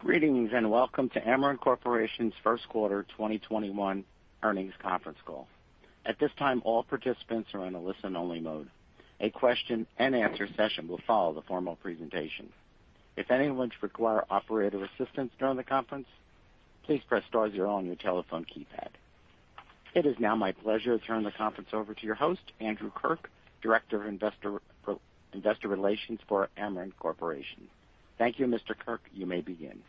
Greetings, and welcome to Ameren Corporation's first quarter 2021 earnings conference call. At this time, all participants are in a listen-only mode. A question-and-answer session will follow the formal presentation. If anyone requires operator assistance during the conference, please press star zero on your telephone keypad. It is now my pleasure to turn the conference over to your host, Andrew Kirk, Director of Investor Relations for Ameren Corporation. Thank you, Mr. Kirk. You may begin.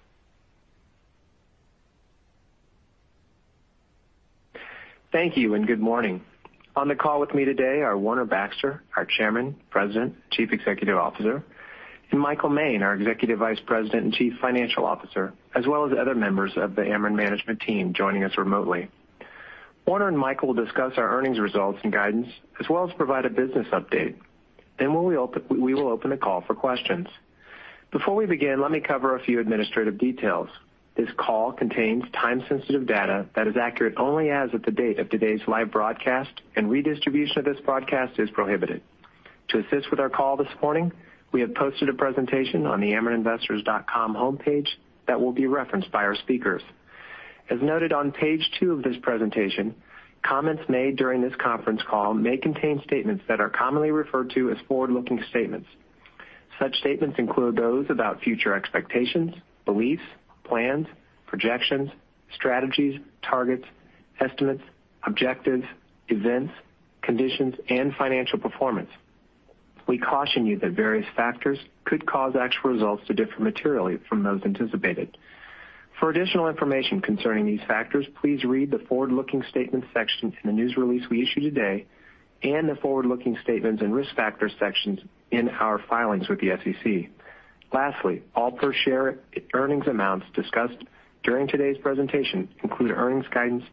Thank you, and good morning. On the call with me today are Warner Baxter, our Chairman, President, Chief Executive Officer, and Michael Moehn, our Executive Vice President and Chief Financial Officer, as well as other members of the Ameren management team joining us remotely. Warner and Michael will discuss our earnings results and guidance, as well as provide a business update. We will open the call for questions. Before we begin, let me cover a few administrative details. This call contains time-sensitive data that is accurate only as of the date of today's live broadcast, and redistribution of this broadcast is prohibited. To assist with our call this morning, we have posted a presentation on the amereninvestors.com homepage that will be referenced by our speakers. As noted on page two of this presentation, comments made during this conference call may contain statements that are commonly referred to as forward-looking statements. Such statements include those about future expectations, beliefs, plans, projections, strategies, targets, estimates, objectives, events, conditions, and financial performance. We caution you that various factors could cause actual results to differ materially from those anticipated. For additional information concerning these factors, please read the forward-looking statements section in the news release we issued today and the forward-looking statements and risk factors sections in our filings with the SEC. Lastly, all per-share earnings amounts discussed during today's presentation include earnings guidance,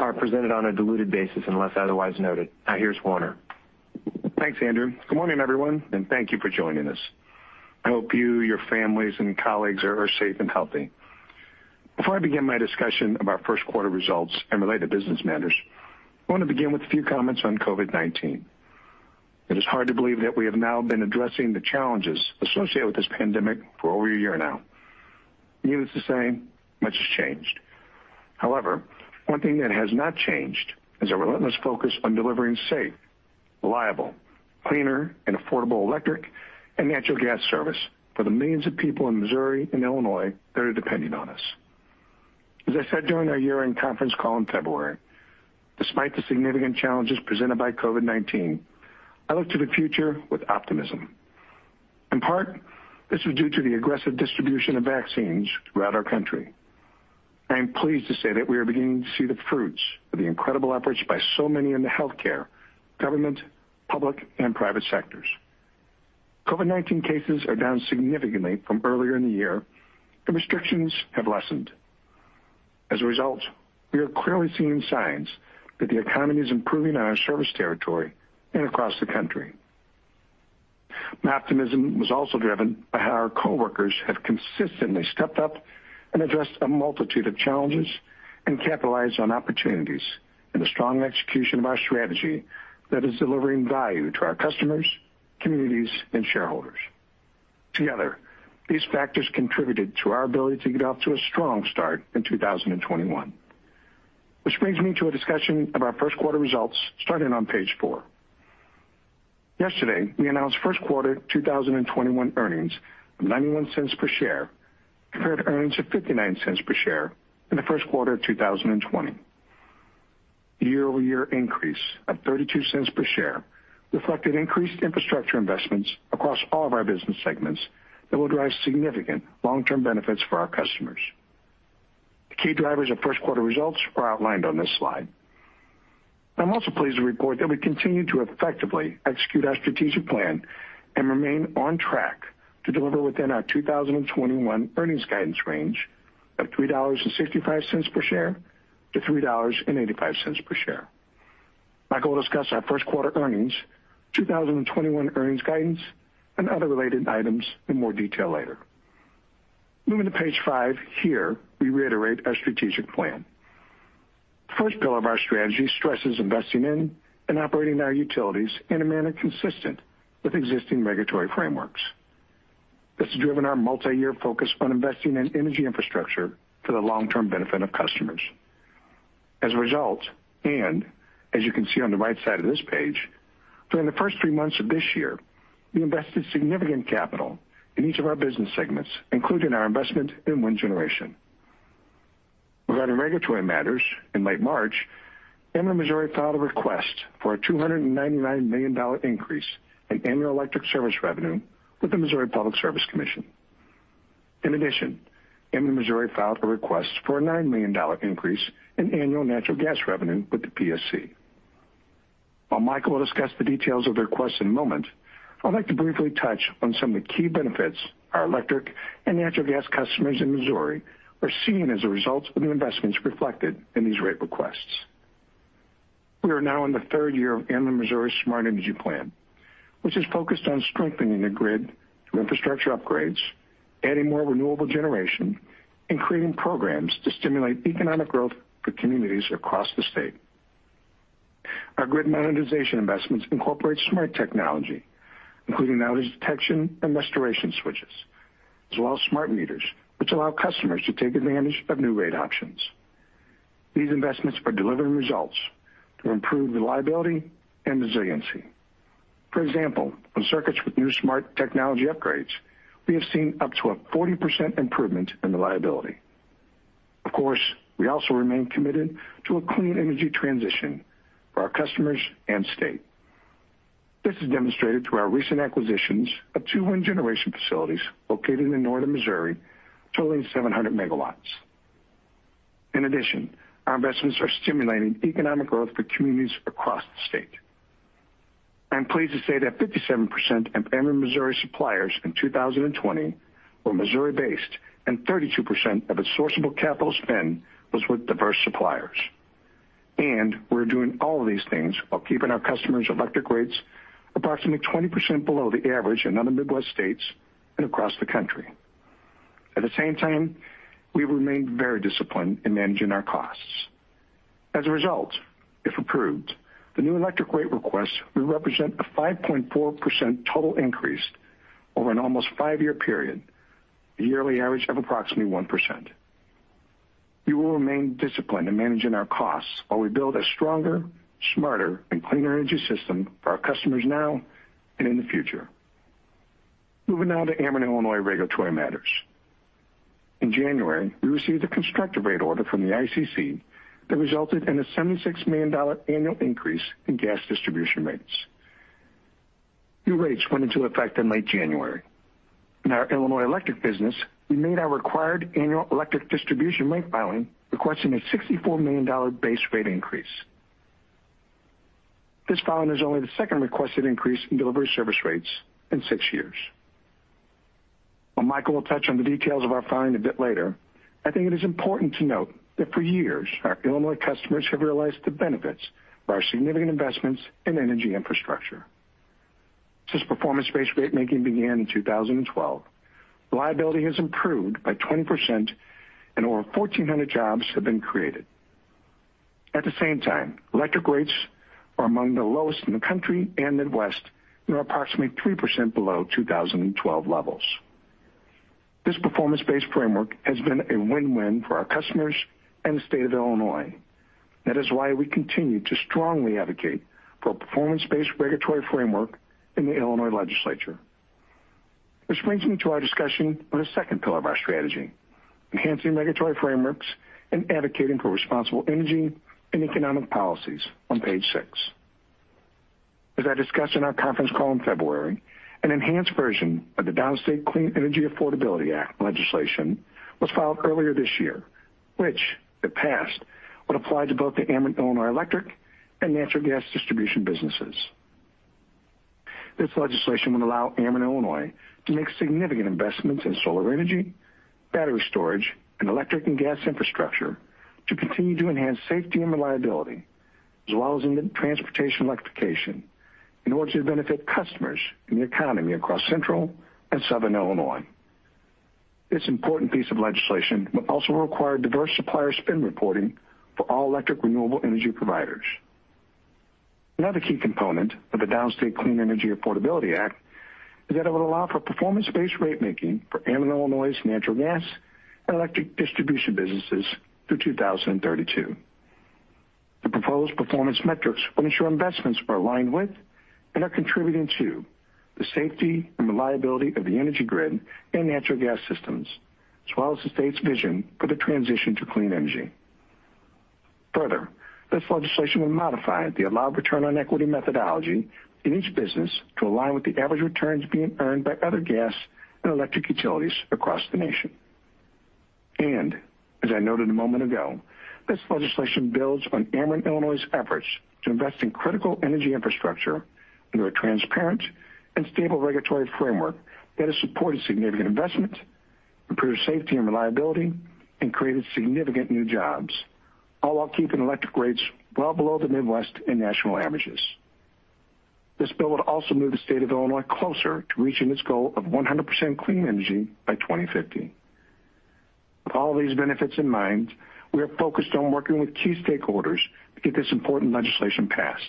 are presented on a diluted basis unless otherwise noted. Now here's Warner. Thanks, Andrew. Good morning, everyone. Thank you for joining us. I hope you, your families, and colleagues are safe and healthy. Before I begin my discussion of our first quarter results and related business matters, I want to begin with a few comments on COVID-19. It is hard to believe that we have now been addressing the challenges associated with this pandemic for over a year now. Needless to say, much has changed. One thing that has not changed is our relentless focus on delivering safe, reliable, cleaner, and affordable electric and natural gas service for the millions of people in Missouri and Illinois that are depending on us. As I said during our year-end conference call in February, despite the significant challenges presented by COVID-19, I look to the future with optimism. In part, this is due to the aggressive distribution of vaccines throughout our country. I am pleased to say that we are beginning to see the fruits of the incredible efforts by so many in the healthcare, government, public, and private sectors. COVID-19 cases are down significantly from earlier in the year, and restrictions have lessened. As a result, we are clearly seeing signs that the economy is improving in our service territory and across the country. My optimism was also driven by how our coworkers have consistently stepped up and addressed a multitude of challenges and capitalized on opportunities and the strong execution of our strategy that is delivering value to our customers, communities, and shareholders. Together, these factors contributed to our ability to get off to a strong start in 2021, which brings me to a discussion of our first quarter results, starting on page four. Yesterday, we announced first quarter 2021 earnings of $0.91 per share, compared to earnings of $0.59 per share in the first quarter of 2020. Year-over-year increase of $0.32 per share reflected increased infrastructure investments across all of our business segments that will drive significant long-term benefits for our customers. The key drivers of first quarter results are outlined on this slide. I'm also pleased to report that we continue to effectively execute our strategic plan and remain on track to deliver within our 2021 earnings guidance range of $3.65 per share to $3.85 per share. Michael will discuss our first quarter earnings, 2021 earnings guidance, and other related items in more detail later. Moving to page five. Here, we reiterate our strategic plan. The first pillar of our strategy stresses investing in and operating our utilities in a manner consistent with existing regulatory frameworks. This has driven our multi-year focus on investing in energy infrastructure for the long-term benefit of customers. As a result, and as you can see on the right side of this page, during the first three months of this year, we invested significant capital in each of our business segments, including our investment in wind generation. Regarding regulatory matters, in late March, Ameren Missouri filed a request for a $299 million increase in annual electric service revenue with the Missouri Public Service Commission. In addition, Ameren Missouri filed a request for a $9 million increase in annual natural gas revenue with the PSC. While Michael will discuss the details of the requests in a moment, I would like to briefly touch on some of the key benefits our electric and natural gas customers in Missouri are seeing as a result of the investments reflected in these rate requests. We are now in the third year of Ameren Missouri's Smart Energy Plan, which is focused on strengthening the grid through infrastructure upgrades, adding more renewable generation, and creating programs to stimulate economic growth for communities across the state. Our grid modernization investments incorporate smart technology, including outage detection and restoration switches, as well as smart meters, which allow customers to take advantage of new rate options. These investments are delivering results to improve reliability and resiliency. For example, on circuits with new smart technology upgrades, we have seen up to a 40% improvement in reliability. Of course, we also remain committed to a clean energy transition for our customers and state. This is demonstrated through our recent acquisitions of two wind generation facilities located in northern Missouri, totaling 700 MW. In addition, our investments are stimulating economic growth for communities across the state. I'm pleased to say that 57% of Ameren Missouri suppliers in 2020 were Missouri-based, and 32% of its sourceable capital spend was with diverse suppliers. We're doing all of these things while keeping our customers' electric rates approximately 20% below the average in other Midwest states and across the country. At the same time, we remain very disciplined in managing our costs. As a result, if approved, the new electric rate requests will represent a 5.4% total increase over an almost five-year period, a yearly average of approximately 1%. We will remain disciplined in managing our costs while we build a stronger, smarter, and cleaner energy system for our customers now and in the future. Moving now to Ameren Illinois regulatory matters. In January, we received a constructive rate order from the ICC that resulted in a $76 million annual increase in gas distribution rates. New rates went into effect in late January. In our Illinois Electric business, we made our required annual electric distribution rate filing, requesting a $64 million base rate increase. This filing is only the second requested increase in delivery service rates in six years. While Michael will touch on the details of our filing a bit later, I think it is important to note that for years, our Illinois customers have realized the benefits of our significant investments in energy infrastructure. Since performance-based rate making began in 2012, reliability has improved by 20% and over 1,400 jobs have been created. At the same time, electric rates are among the lowest in the country and Midwest and are approximately 3% below 2012 levels. This performance-based framework has been a win-win for our customers and the state of Illinois. That is why we continue to strongly advocate for a performance-based regulatory framework in the Illinois legislature. This brings me to our discussion on the second pillar of our strategy, enhancing regulatory frameworks and advocating for responsible energy and economic policies on page six. As I discussed in our conference call in February, an enhanced version of the Downstate Clean Energy Affordability Act legislation was filed earlier this year, which, if passed, would apply to both the Ameren Illinois Electric and Natural Gas Distribution businesses. This legislation would allow Ameren Illinois to make significant investments in solar energy, battery storage, and electric and gas infrastructure to continue to enhance safety and reliability, as well as transportation electrification in order to benefit customers and the economy across central and southern Illinois. This important piece of legislation will also require diverse supplier spend reporting for all electric renewable energy providers. Another key component of the Downstate Clean Energy Affordability Act is that it would allow for performance-based rate making for Ameren Illinois natural gas and electric distribution businesses through 2032. The proposed performance metrics will ensure investments are aligned with and are contributing to the safety and reliability of the energy grid and natural gas systems, as well as the state's vision for the transition to clean energy. Further, this legislation will modify the allowed return on equity methodology in each business to align with the average returns being earned by other gas and electric utilities across the nation. As I noted a moment ago, this legislation builds on Ameren Illinois' efforts to invest in critical energy infrastructure under a transparent and stable regulatory framework that has supported significant investment, improved safety and reliability, and created significant new jobs, all while keeping electric rates well below the Midwest and national averages. This bill would also move the state of Illinois closer to reaching its goal of 100% clean energy by 2050. With all these benefits in mind, we are focused on working with key stakeholders to get this important legislation passed.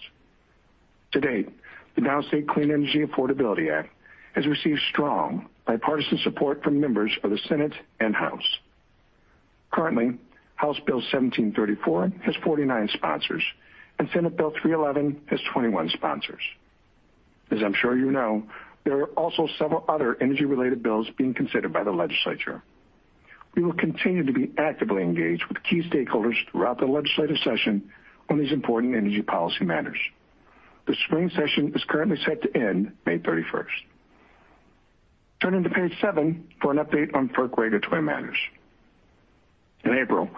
To date, the Downstate Clean Energy Affordability Act has received strong bipartisan support from members of the Senate and House. Currently, House Bill 1734 has 49 sponsors, and Senate Bill 311 has 21 sponsors. As I'm sure you know, there are also several other energy-related bills being considered by the legislature. We will continue to be actively engaged with key stakeholders throughout the legislative session on these important energy policy matters. The spring session is currently set to end May 31st. Turning to page seven for an update on FERC regulatory matters. In April,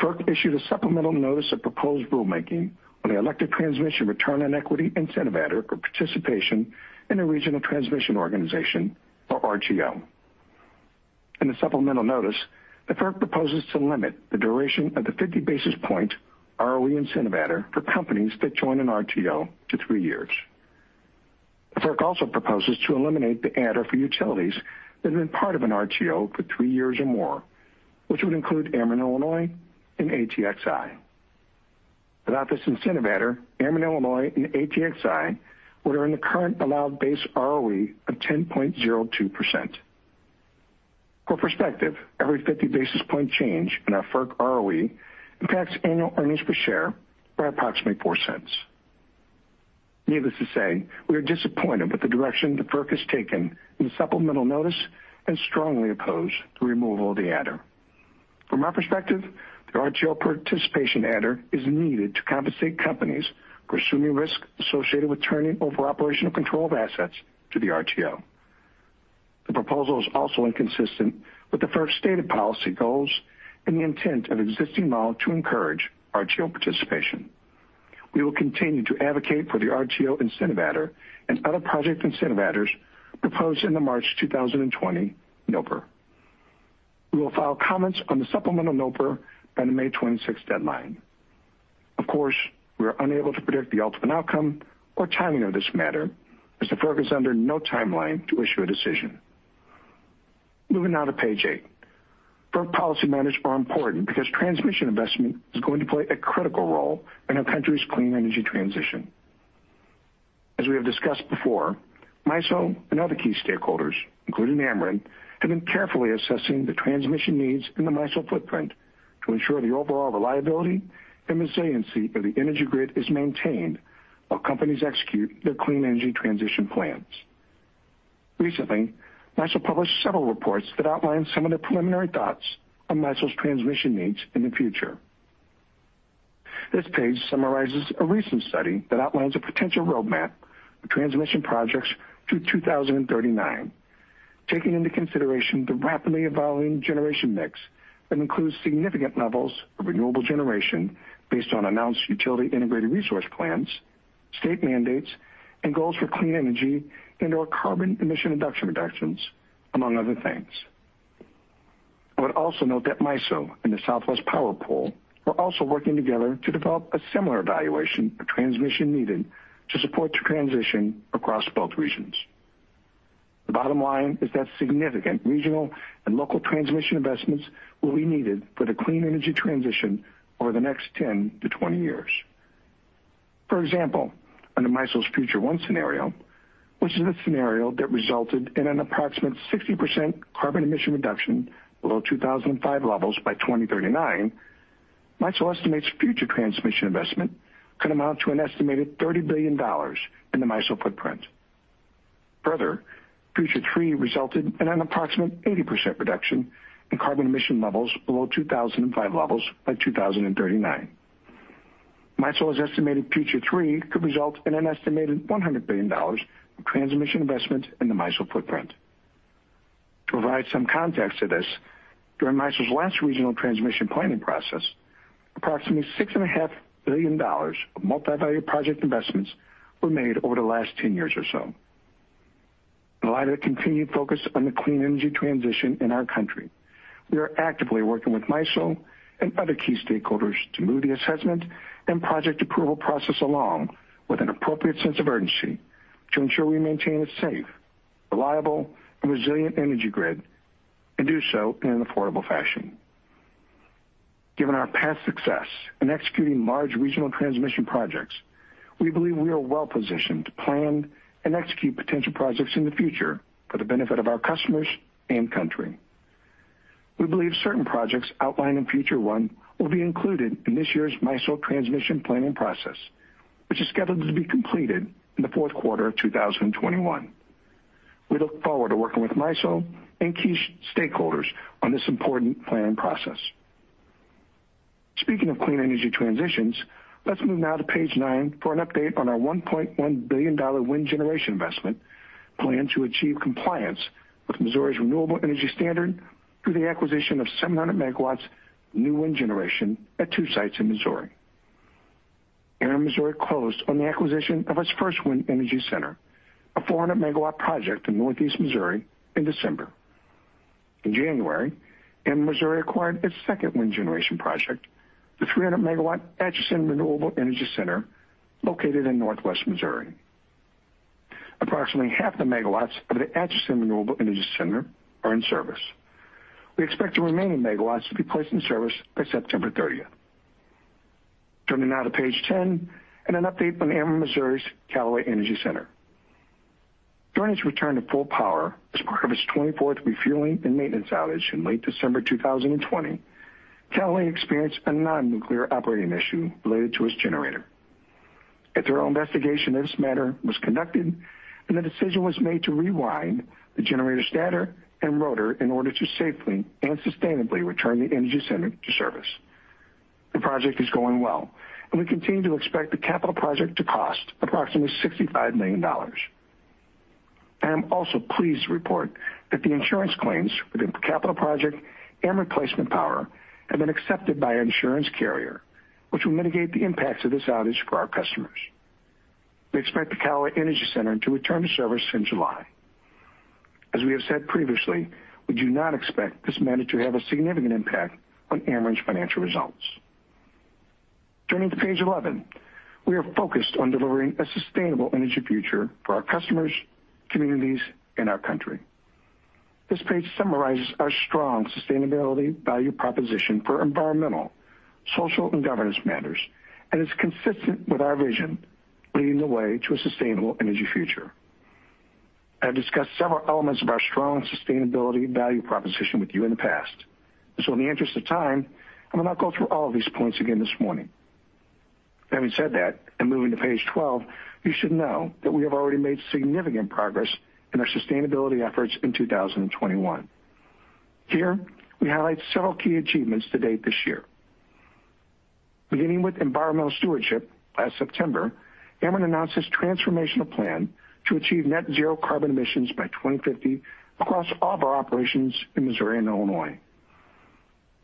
FERC issued a supplemental notice of proposed rulemaking on the electric transmission return on equity incentive adder for participation in a regional transmission organization or RTO. In the supplemental notice, the FERC proposes to limit the duration of the 50 basis point ROE incentive adder for companies that join an RTO to three years. The FERC also proposes to eliminate the adder for utilities that have been part of an RTO for three years or more, which would include Ameren Illinois and ATXI. Without this incentive adder, Ameren Illinois and ATXI would earn the current allowed base ROE of 10.02%. For perspective, every 50 basis point change in our FERC ROE impacts annual earnings per share by approximately $0.04. Needless to say, we are disappointed with the direction the FERC has taken in the supplemental notice and strongly oppose the removal of the adder. From our perspective, the RTO participation adder is needed to compensate companies for assuming risk associated with turning over operational control of assets to the RTO. The proposal is also inconsistent with the FERC's stated policy goals and the intent of an existing model to encourage RTO participation. We will continue to advocate for the RTO incentive adder and other project incentive adders proposed in the March 2020 NOPR. We will file comments on the supplemental NOPR by the May 26th deadline. Of course, we are unable to predict the ultimate outcome or timing of this matter, as the FERC is under no timeline to issue a decision. Moving now to page eight. FERC policy matters are important because transmission investment is going to play a critical role in our country's clean energy transition. As we have discussed before, MISO and other key stakeholders, including Ameren, have been carefully assessing the transmission needs in the MISO footprint to ensure the overall reliability and resiliency of the energy grid is maintained while companies execute their clean energy transition plans. Recently, MISO published several reports that outline some of the preliminary thoughts on MISO's transmission needs in the future. This page summarizes a recent study that outlines a potential roadmap for transmission projects through 2039, taking into consideration the rapidly evolving generation mix that includes significant levels of renewable generation based on announced utility integrated resource plans, state mandates, and goals for clean energy and/or carbon emission reduction, among other things. I would also note that MISO and the Southwest Power Pool are also working together to develop a similar evaluation of transmission needed to support the transition across both regions. The bottom line is that significant regional and local transmission investments will be needed for the clean energy transition over the next 10-20 years. For example, under MISO's Future one scenario, which is the scenario that resulted in an approximate 60% carbon emission reduction below 2005 levels by 2039, MISO estimates future transmission investment could amount to an estimated $30 billion in the MISO footprint. Further, Future three resulted in an approximate 80% reduction in carbon emission levels below 2005 levels by 2039. MISO has estimated Future three could result in an estimated $100 billion of transmission investment in the MISO footprint. To provide some context to this, during MISO's last regional transmission planning process, approximately $6.5 billion of multi-value project investments were made over the last 10 years or so. In light of the continued focus on the clean energy transition in our country, we are actively working with MISO and other key stakeholders to move the assessment and project approval process along with an appropriate sense of urgency to ensure we maintain a safe, reliable and resilient energy grid and do so in an affordable fashion. Given our past success in executing large regional transmission projects, we believe we are well-positioned to plan and execute potential projects in the future for the benefit of our customers and country. We believe certain projects outlined in Future one will be included in this year's MISO transmission planning process, which is scheduled to be completed in the fourth quarter of 2021. We look forward to working with MISO and key stakeholders on this important planning process. Speaking of clean energy transitions, let's move now to page nine for an update on our $1.1 billion wind generation investment plan to achieve compliance with Missouri's renewable energy standard through the acquisition of 700 MW of new wind generation at two sites in Missouri. Ameren Missouri closed on the acquisition of its first wind energy center, a 400 MW project in Northeast Missouri in December. In January, Ameren Missouri acquired its second wind generation project, the 300 MW Atchison Renewable Energy Center, located in Northwest Missouri. Approximately half the megawatts of the Atchison Renewable Energy Center are in service. We expect the remaining megawatts to be placed in service by September 30th. Turning now to page 10, an update on Ameren Missouri's Callaway Energy Center. During its return to full power as part of its 24th refueling and maintenance outage in late December 2020, Callaway experienced a non-nuclear operating issue related to its generator. A thorough investigation of this matter was conducted. The decision was made to rewind the generator stator and rotor in order to safely and sustainably return the energy center to service. The project is going well. We continue to expect the capital project to cost approximately $65 million. I am also pleased to report that the insurance claims for the capital project and replacement power have been accepted by our insurance carrier, which will mitigate the impacts of this outage for our customers. We expect the Callaway Energy Center to return to service in July. As we have said previously, we do not expect this matter to have a significant impact on Ameren's financial results. Turning to page 11. We are focused on delivering a sustainable energy future for our customers, communities, and our country. This page summarizes our strong sustainability value proposition for environmental, social, and governance matters, and is consistent with our vision, leading the way to a sustainable energy future. I have discussed several elements of our strong sustainability value proposition with you in the past. In the interest of time, I will not go through all of these points again this morning. Having said that, moving to page 12, you should know that we have already made significant progress in our sustainability efforts in 2021. Here, we highlight several key achievements to date this year. Beginning with environmental stewardship, last September, Ameren announced its transformational plan to achieve net zero carbon emissions by 2050 across all of our operations in Missouri and Illinois.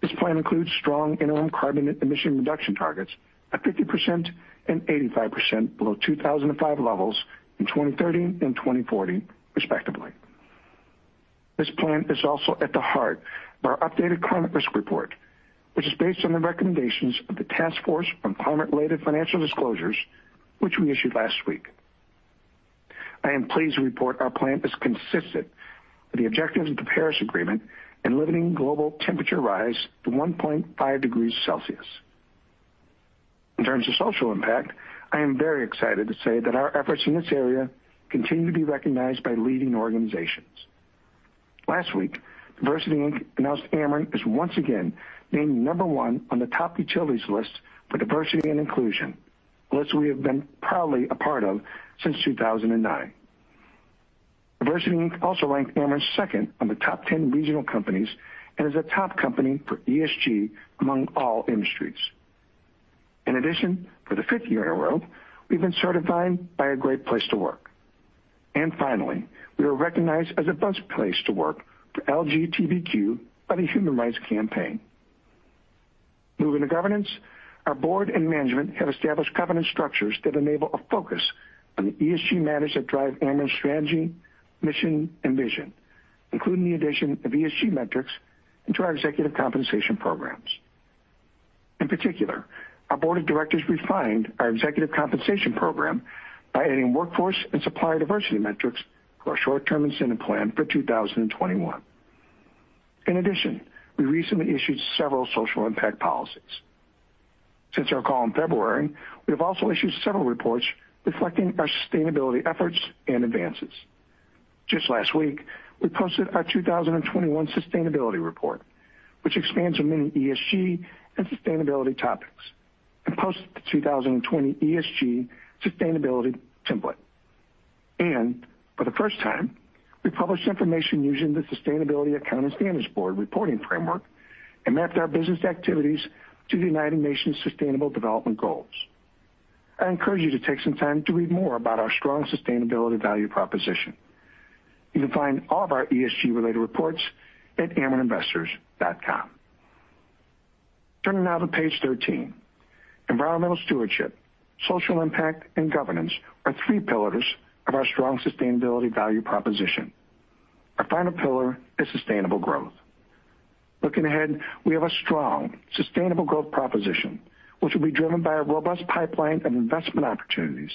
This plan includes strong interim carbon emission reduction targets at 50% and 85% below 2005 levels in 2030 and 2040, respectively. This plan is also at the heart of our updated climate risk report, which is based on the recommendations of the Task Force on Climate-related Financial Disclosures, which we issued last week. I am pleased to report our plan is consistent with the objectives of the Paris Agreement in limiting global temperature rise to 1.5 degrees Celsius. In terms of social impact, I am very excited to say that our efforts in this area continue to be recognized by leading organizations. Last week, DiversityInc announced Ameren is once again named number one on the Top Utilities list for diversity and inclusion, a list we have been proudly a part of since 2009. DiversityInc also ranked Ameren second on the top 10 regional companies, and is a top company for ESG among all industries. In addition, for the fifth year in a row, we've been certified by Great Place to Work. Finally, we were recognized as a Best Place to Work for LGBTQ by the Human Rights Campaign. Moving to governance, our board and management have established governance structures that enable a focus on the ESG matters that drive Ameren's strategy, mission, and vision, including the addition of ESG metrics into our executive compensation programs. In particular, our board of directors refined our executive compensation program by adding workforce and supplier diversity metrics to our short-term incentive plan for 2021. In addition, we recently issued several social impact policies. Since our call in February, we have also issued several reports reflecting our sustainability efforts and advances. Just last week, we posted our 2021 sustainability report, which expands on many ESG and sustainability topics, and posted the 2020 ESG sustainability template. For the first time, we published information using the Sustainability Accounting Standards Board reporting framework and mapped our business activities to the United Nations Sustainable Development Goals. I encourage you to take some time to read more about our strong sustainability value proposition. You can find all of our ESG-related reports at amereninvestors.com. Turning now to page 13. Environmental stewardship, social impact, and governance are three pillars of our strong sustainability value proposition. Our final pillar is sustainable growth. Looking ahead, we have a strong sustainable growth proposition, which will be driven by a robust pipeline of investment opportunities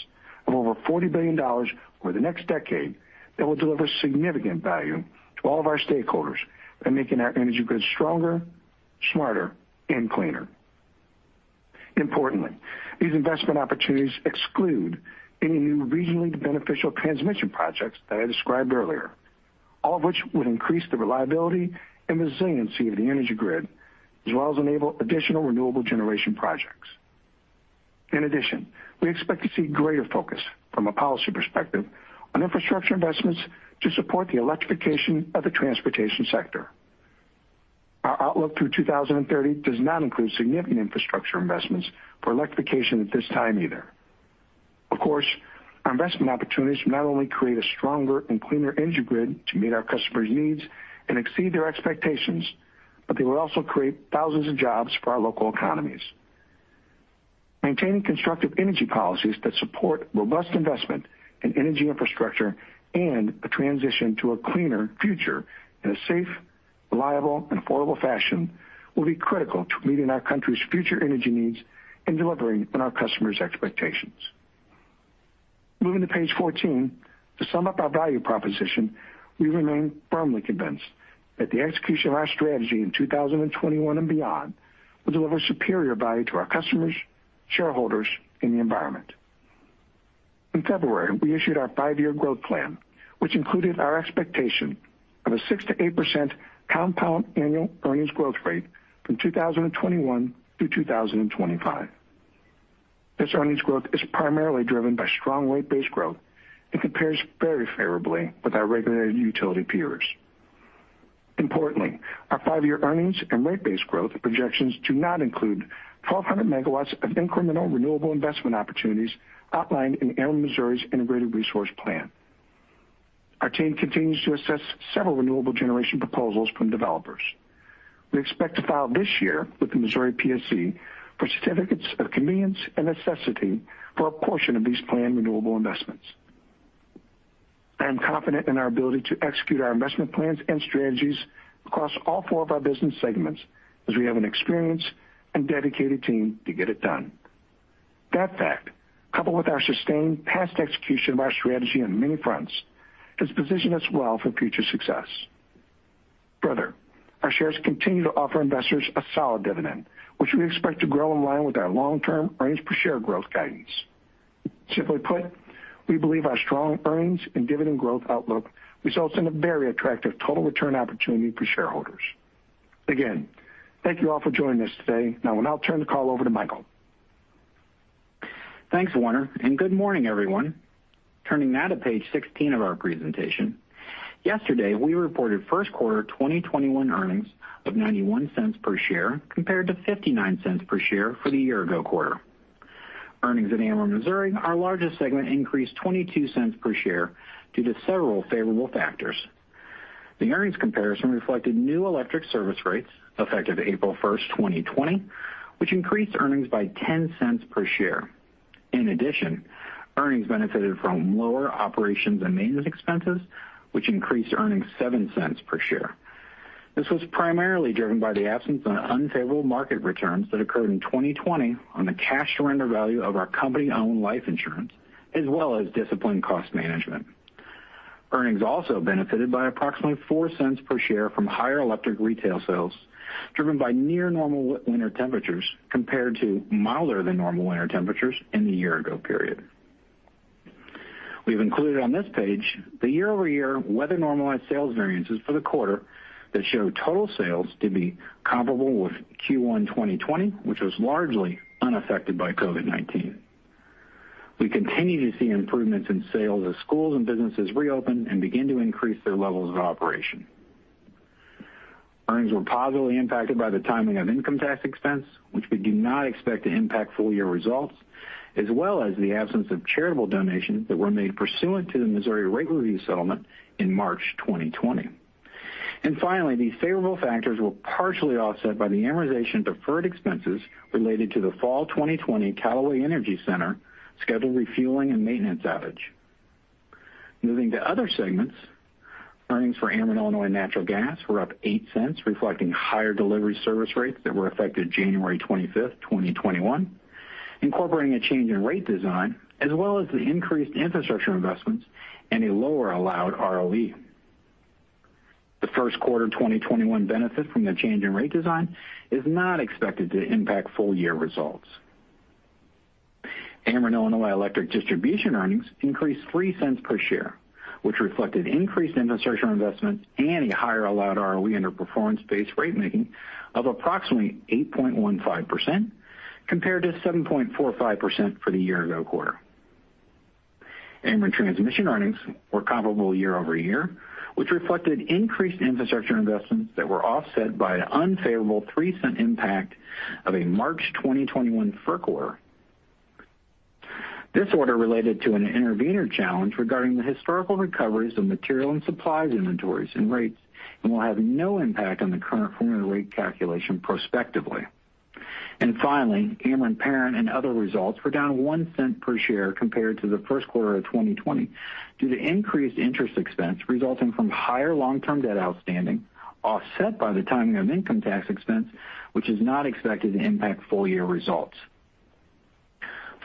of over $40 billion over the next decade that will deliver significant value to all of our stakeholders by making our energy grid stronger, smarter and cleaner. Importantly, these investment opportunities exclude any new regionally beneficial transmission projects that I described earlier, all of which would increase the reliability and resiliency of the energy grid, as well as enable additional renewable generation projects. In addition, we expect to see greater focus from a policy perspective on infrastructure investments to support the electrification of the transportation sector. Our outlook through 2030 does not include significant infrastructure investments for electrification at this time either. Of course, our investment opportunities not only create a stronger and cleaner energy grid to meet our customers' needs and exceed their expectations, but they will also create thousands of jobs for our local economies. Maintaining constructive energy policies that support robust investment in energy infrastructure and a transition to a cleaner future in a safe, reliable, and affordable fashion will be critical to meeting our country's future energy needs and delivering on our customers' expectations. Moving to page 14. To sum up our value proposition, we remain firmly convinced that the execution of our strategy in 2021 and beyond will deliver superior value to our customers, shareholders, and the environment. In February, we issued our five-year growth plan, which included our expectation of a 6%-8% compound annual earnings growth rate from 2021 through 2025. This earnings growth is primarily driven by strong rate base growth and compares very favorably with our regulated utility peers. Importantly, our five-year earnings and rate base growth projections do not include 1,200 MW of incremental renewable investment opportunities outlined in Ameren Missouri's Integrated Resource Plan. Our team continues to assess several renewable generation proposals from developers. We expect to file this year with the Missouri PSC for certificates of convenience and necessity for a portion of these planned renewable investments. I am confident in our ability to execute our investment plans and strategies across all four of our business segments, as we have an experienced and dedicated team to get it done. That fact, coupled with our sustained past execution of our strategy on many fronts, has positioned us well for future success. Further, our shares continue to offer investors a solid dividend, which we expect to grow in line with our long-term range per share growth guidance. Simply put, we believe our strong earnings and dividend growth outlook results in a very attractive total return opportunity for shareholders. Again, thank you all for joining us today. Now I'll turn the call over to Michael. Thanks, Warner, and good morning, everyone. Turning now to page 16 of our presentation. Yesterday, we reported first quarter 2021 earnings of $0.91 per share, compared to $0.59 per share for the year ago quarter. Earnings in Ameren Missouri, our largest segment, increased $0.22 per share due to several favorable factors. The earnings comparison reflected new electric service rates effective April 1st, 2020, which increased earnings by $0.10 per share. In addition, earnings benefited from lower operations and maintenance expenses, which increased earnings $0.07 per share. This was primarily driven by the absence of unfavorable market returns that occurred in 2020 on the cash surrender value of our company-owned life insurance, as well as disciplined cost management. Earnings also benefited by approximately $0.04 per share from higher electric retail sales, driven by near normal winter temperatures compared to milder than normal winter temperatures in the year ago period. We've included on this page the year-over-year weather-normalized sales variances for the quarter that show total sales to be comparable with Q1 2020, which was largely unaffected by COVID-19. We continue to see improvements in sales as schools and businesses reopen and begin to increase their levels of operation. Earnings were positively impacted by the timing of income tax expense, which we do not expect to impact full-year results, as well as the absence of charitable donations that were made pursuant to the Missouri rate review settlement in March 2020. Finally, these favorable factors were partially offset by the amortization of deferred expenses related to the Fall 2020 Callaway Energy Center scheduled refueling and maintenance outage. Moving to other segments, earnings for Ameren Illinois Natural Gas were up $0.08, reflecting higher delivery service rates that were effective January 25th, 2021, incorporating a change in rate design, as well as the increased infrastructure investments and a lower allowed ROE. The first quarter 2021 benefit from the change in rate design is not expected to impact full-year results. Ameren Illinois Electric Distribution earnings increased $0.03 per share, which reflected increased infrastructure investments and a higher allowed ROE under performance-based ratemaking of approximately 8.15%, compared to 7.45% for the year-ago quarter. Ameren Transmission earnings were comparable year-over-year, which reflected increased infrastructure investments that were offset by an unfavorable $0.03 impact of a March 2021 FERC order. This order related to an intervenor challenge regarding the historical recoveries of material and supplies inventories and rates and will have no impact on the current formula rate calculation prospectively. Finally, Ameren Parent and other results were down $0.01 per share compared to the first quarter of 2020 due to increased interest expense resulting from higher long-term debt outstanding, offset by the timing of income tax expense, which is not expected to impact full-year results.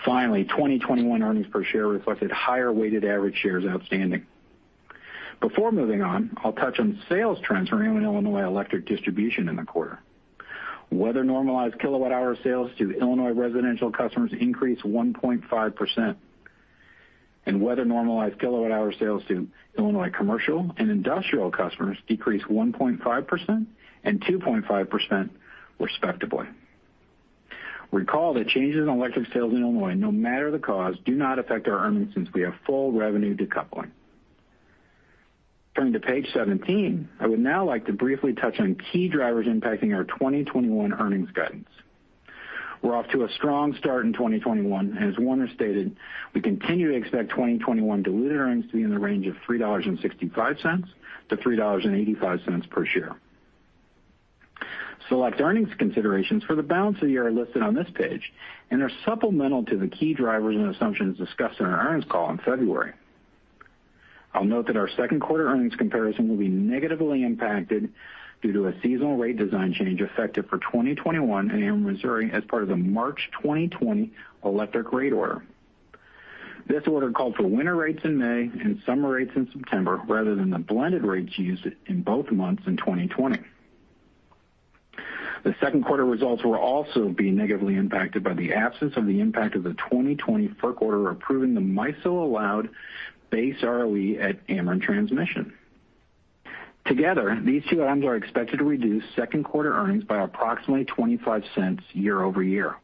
Finally, 2021 earnings per share reflected higher weighted average shares outstanding. Before moving on, I'll touch on sales trends for Ameren Illinois Electric Distribution in the quarter. Weather-normalized kilowatt-hour sales to Illinois residential customers increased 1.5%, and weather-normalized kilowatt-hour sales to Illinois commercial and industrial customers decreased 1.5% and 2.5% respectively. Recall that changes in electric sales in Illinois, no matter the cause, do not affect our earnings since we have full revenue decoupling. Turning to page 17, I would now like to briefly touch on key drivers impacting our 2021 earnings guidance. We're off to a strong start in 2021, and as Warner stated, we continue to expect 2021 diluted earnings to be in the range of $3.65 per share-$3.85 per share. Select earnings considerations for the balance of the year are listed on this page and are supplemental to the key drivers and assumptions discussed in our earnings call in February. I'll note that our second quarter earnings comparison will be negatively impacted due to a seasonal rate design change effective for 2021 in Ameren Missouri as part of the March 2020 electric rate order. This order called for winter rates in May and summer rates in September, rather than the blended rates used in both months in 2020. The second quarter results will also be negatively impacted by the absence of the impact of the 2020 FERC order approving the MISO allowed base ROE at Ameren Transmission. Together, these two items are expected to reduce second quarter earnings by approximately $0.25 year-over-year.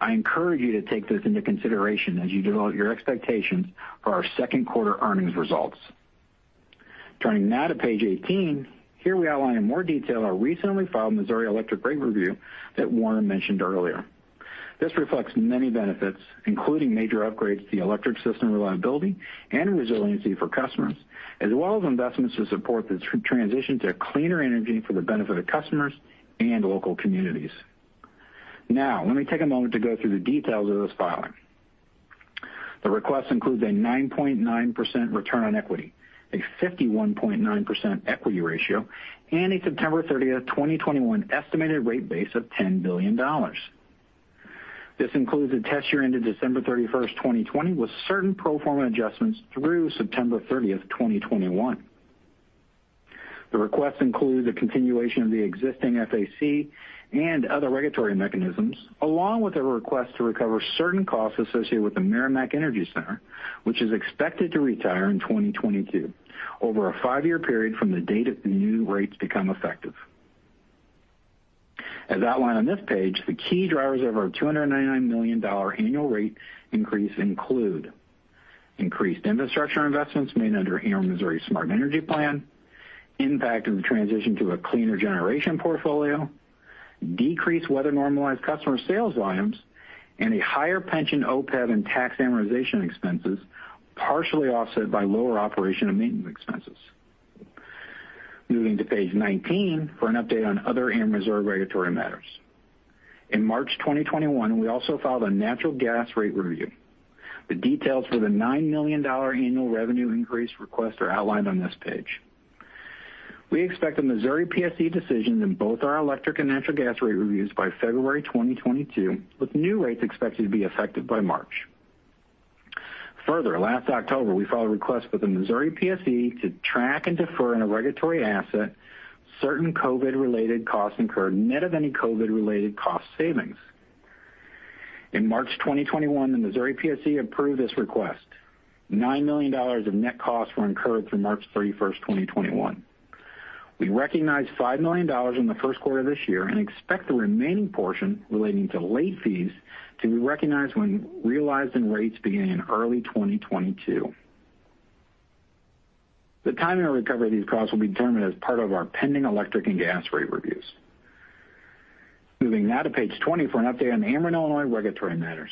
I encourage you to take this into consideration as you develop your expectations for our second quarter earnings results. Turning now to page 18, here we outline in more detail our recently filed Missouri electric rate review that Warner mentioned earlier. This reflects many benefits, including major upgrades to the electric system reliability and resiliency for customers, as well as investments to support the transition to cleaner energy for the benefit of customers and local communities. Let me take a moment to go through the details of this filing. The request includes a 9.9% return on equity, a 51.9% equity ratio, and a September 30th, 2021 estimated rate base of $10 billion. This includes a test year ended December 31st, 2020, with certain pro forma adjustments through September 30th, 2021. The request includes a continuation of the existing FAC and other regulatory mechanisms, along with a request to recover certain costs associated with the Meramec Energy Center, which is expected to retire in 2022 over a five-year period from the date the new rates become effective. As outlined on this page, the key drivers of our $299 million annual rate increase include increased infrastructure investments made under Ameren Missouri's Smart Energy Plan, impact of the transition to a cleaner generation portfolio, decreased weather normalized customer sales volumes, and a higher pension OPEB and tax amortization expenses, partially offset by lower operation and maintenance expenses. Moving to page 19 for an update on other Ameren reserve regulatory matters. In March 2021, we also filed a natural gas rate review. The details for the $9 million annual revenue increase request are outlined on this page. We expect the Missouri PSC decision in both our electric and natural gas rate reviews by February 2022, with new rates expected to be effective by March. Further, last October, we filed a request with the Missouri PSC to track and defer in a regulatory asset certain COVID-related costs incurred net of any COVID-related cost savings. In March 2021, the Missouri PSC approved this request. $9 million of net costs were incurred through March 31st, 2021. We recognized $5 million in the first quarter of this year and expect the remaining portion relating to late fees to be recognized when realized in rates beginning in early 2022. The timing and recovery of these costs will be determined as part of our pending electric and gas rate reviews. Moving now to page 20 for an update on Ameren Illinois regulatory matters.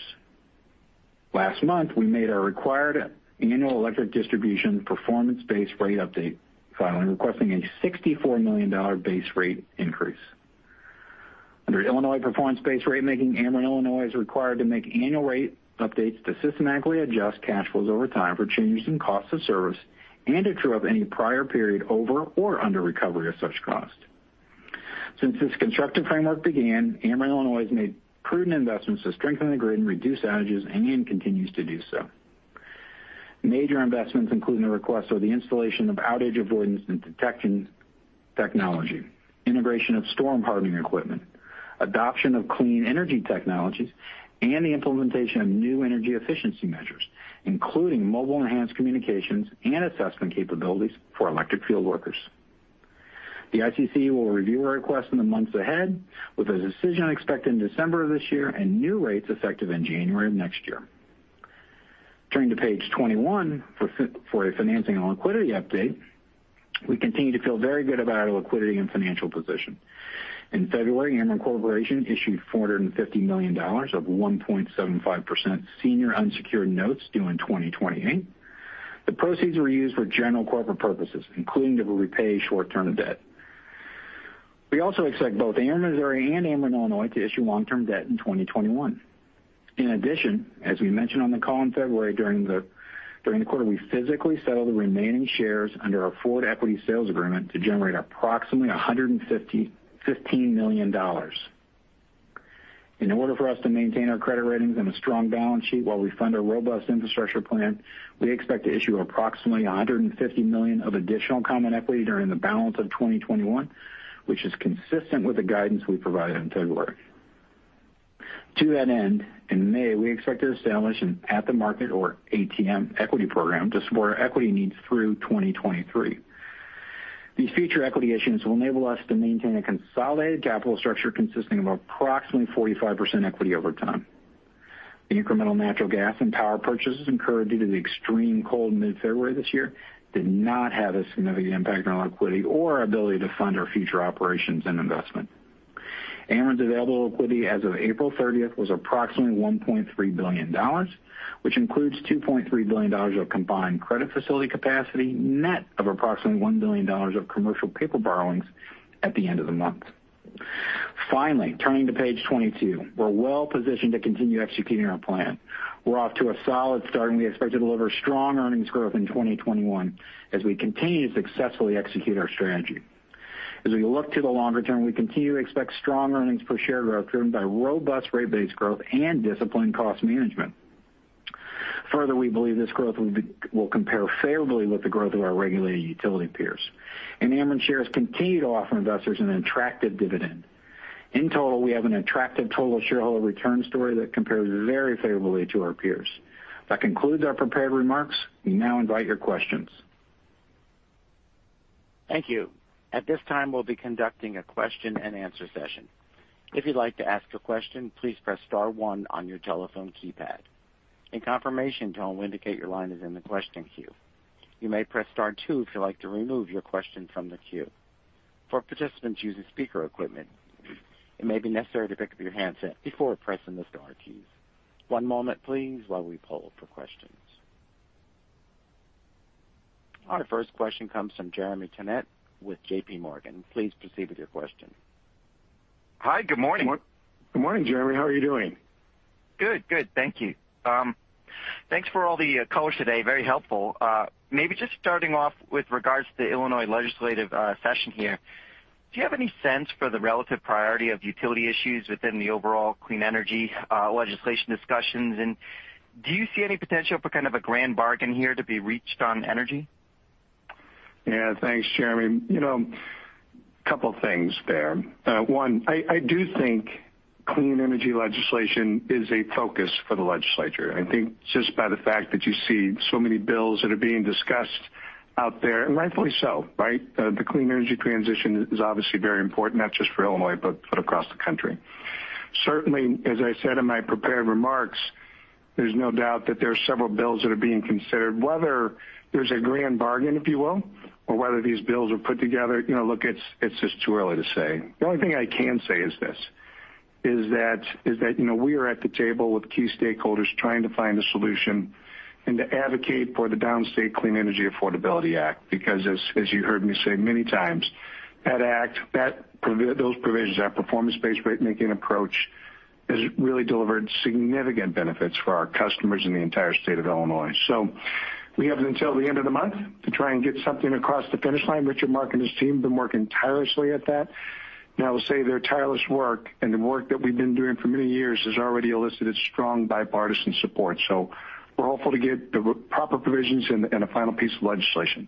Last month, we made our required annual electric distribution performance-based rate update filing, requesting a $64 million base rate increase. Under Illinois performance-based rate making, Ameren Illinois is required to make annual rate updates to systematically adjust cash flows over time for changes in cost of service and to true up any prior period over or under recovery of such cost. Since this constructive framework began, Ameren Illinois has made prudent investments to strengthen the grid and reduce outages, and continues to do so. Major investments including the request are the installation of outage avoidance and detection technology, integration of storm hardening equipment, adoption of clean energy technologies, and the implementation of new energy efficiency measures, including mobile-enhanced communications and assessment capabilities for electric field workers. The ICC will review our request in the months ahead, with a decision expected in December of this year and new rates effective in January of next year. Turning to page 21 for a financing and liquidity update. We continue to feel very good about our liquidity and financial position. In February, Ameren Corporation issued $450 million of 1.75% senior unsecured notes due in 2028. The proceeds were used for general corporate purposes, including to repay short-term debt. We also expect both Ameren Missouri and Ameren Illinois to issue long-term debt in 2021. As we mentioned on the call in February, during the quarter, we physically settled the remaining shares under our Forward Equity Sales Agreement to generate approximately $115 million. In order for us to maintain our credit ratings and a strong balance sheet while we fund our robust infrastructure plan, we expect to issue approximately $150 million of additional common equity during the balance of 2021, which is consistent with the guidance we provided in February. To that end, in May, we expect to establish an at-the-market or ATM equity program to support our equity needs through 2023. These future equity issuance will enable us to maintain a consolidated capital structure consisting of approximately 45% equity over time. The incremental natural gas and power purchases incurred due to the extreme cold in mid-February this year did not have a significant impact on our liquidity or ability to fund our future operations and investment. Ameren's available liquidity as of April 30th was approximately $1.3 billion, which includes $2.3 billion of combined credit facility capacity, net of approximately $1 billion of commercial paper borrowings at the end of the month. Turning to page 22. We're well positioned to continue executing our plan. We're off to a solid start, we expect to deliver strong earnings growth in 2021 as we continue to successfully execute our strategy. As we look to the longer term, we continue to expect strong earnings per share growth driven by robust rate base growth and disciplined cost management. Further, we believe this growth will compare favorably with the growth of our regulated utility peers. Ameren shares continue to offer investors an attractive dividend. In total, we have an attractive total shareholder return story that compares very favorably to our peers. That concludes our prepared remarks. We now invite your questions. Thank you. At this time, we'll be conducting a question and answer session. If you'd like to ask a question, please press star one on your telephone keypad. A confirmation tone will indicate your line is in the question queue. You may press star two if you'd like to remove your question from the queue. For participants using speaker equipment, it may be necessary to pick up your handset before pressing the star keys. One moment, please, while we poll for questions. Our first question comes from Jeremy Tonet with JPMorgan. Please proceed with your question. Hi, good morning. Good morning, Jeremy. How are you doing? Good. Thank you. Thanks for all the colors today, very helpful. Maybe just starting off with regards to the Illinois legislative session here, do you have any sense for the relative priority of utility issues within the overall clean energy legislation discussions, and do you see any potential for kind of a grand bargain here to be reached on energy? Yeah. Thanks, Jeremy. A couple of things there. One, I do think clean energy legislation is a focus for the legislature. I think just by the fact that you see so many bills that are being discussed out there, and rightfully so. The clean energy transition is obviously very important, not just for Illinois, but across the country. Certainly, as I said in my prepared remarks, there's no doubt that there are several bills that are being considered, whether there's a grand bargain, if you will, or whether these bills are put together. Look, it's just too early to say. The only thing I can say is this, is that we are at the table with key stakeholders trying to find a solution and to advocate for the Downstate Clean Energy Affordability Act, because as you heard me say many times, that act, those provisions, that performance-based rate making approach has really delivered significant benefits for our customers in the entire state of Illinois. We have until the end of the month to try and get something across the finish line. Richard Mark and his team have been working tirelessly at that. I will say their tireless work and the work that we've been doing for many years has already elicited strong bipartisan support. We're hopeful to get the proper provisions and a final piece of legislation.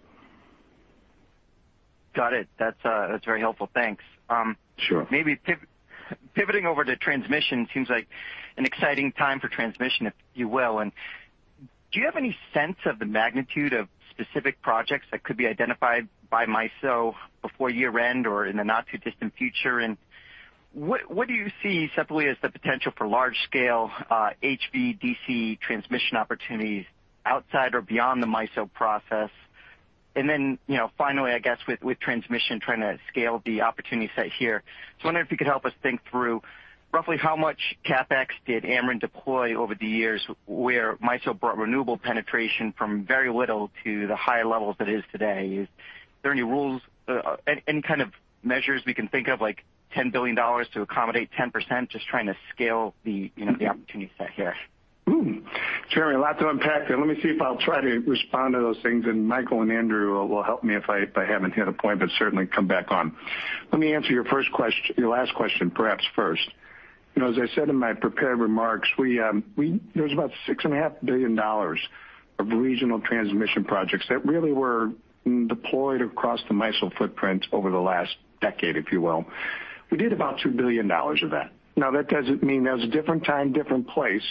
Got it. That's very helpful. Thanks. Sure. Maybe pivoting over to transmission, seems like an exciting time for transmission, if you will. Do you have any sense of the magnitude of specific projects that could be identified by MISO before year-end or in the not-too-distant future? What do you see separately as the potential for large-scale HVDC transmission opportunities outside or beyond the MISO process? Then, finally, I guess with transmission, trying to scale the opportunity set here. Just wondering if you could help us think through roughly how much CapEx did Ameren deploy over the years where MISO brought renewable penetration from very little to the high levels it is today. Is there any rules, any kind of measures we can think of, like $10 billion to accommodate 10%? Just trying to scale the opportunity set here. Jeremy, a lot to unpack there. Let me see if I'll try to respond to those things, and Michael and Andrew will help me if I haven't hit a point, but certainly come back on. Let me answer your last question, perhaps first. As I said in my prepared remarks, there's about $6.5 billion of regional transmission projects that really were deployed across the MISO footprint over the last decade, if you will. We did about $2 billion of that. That doesn't mean there's a different time, different place,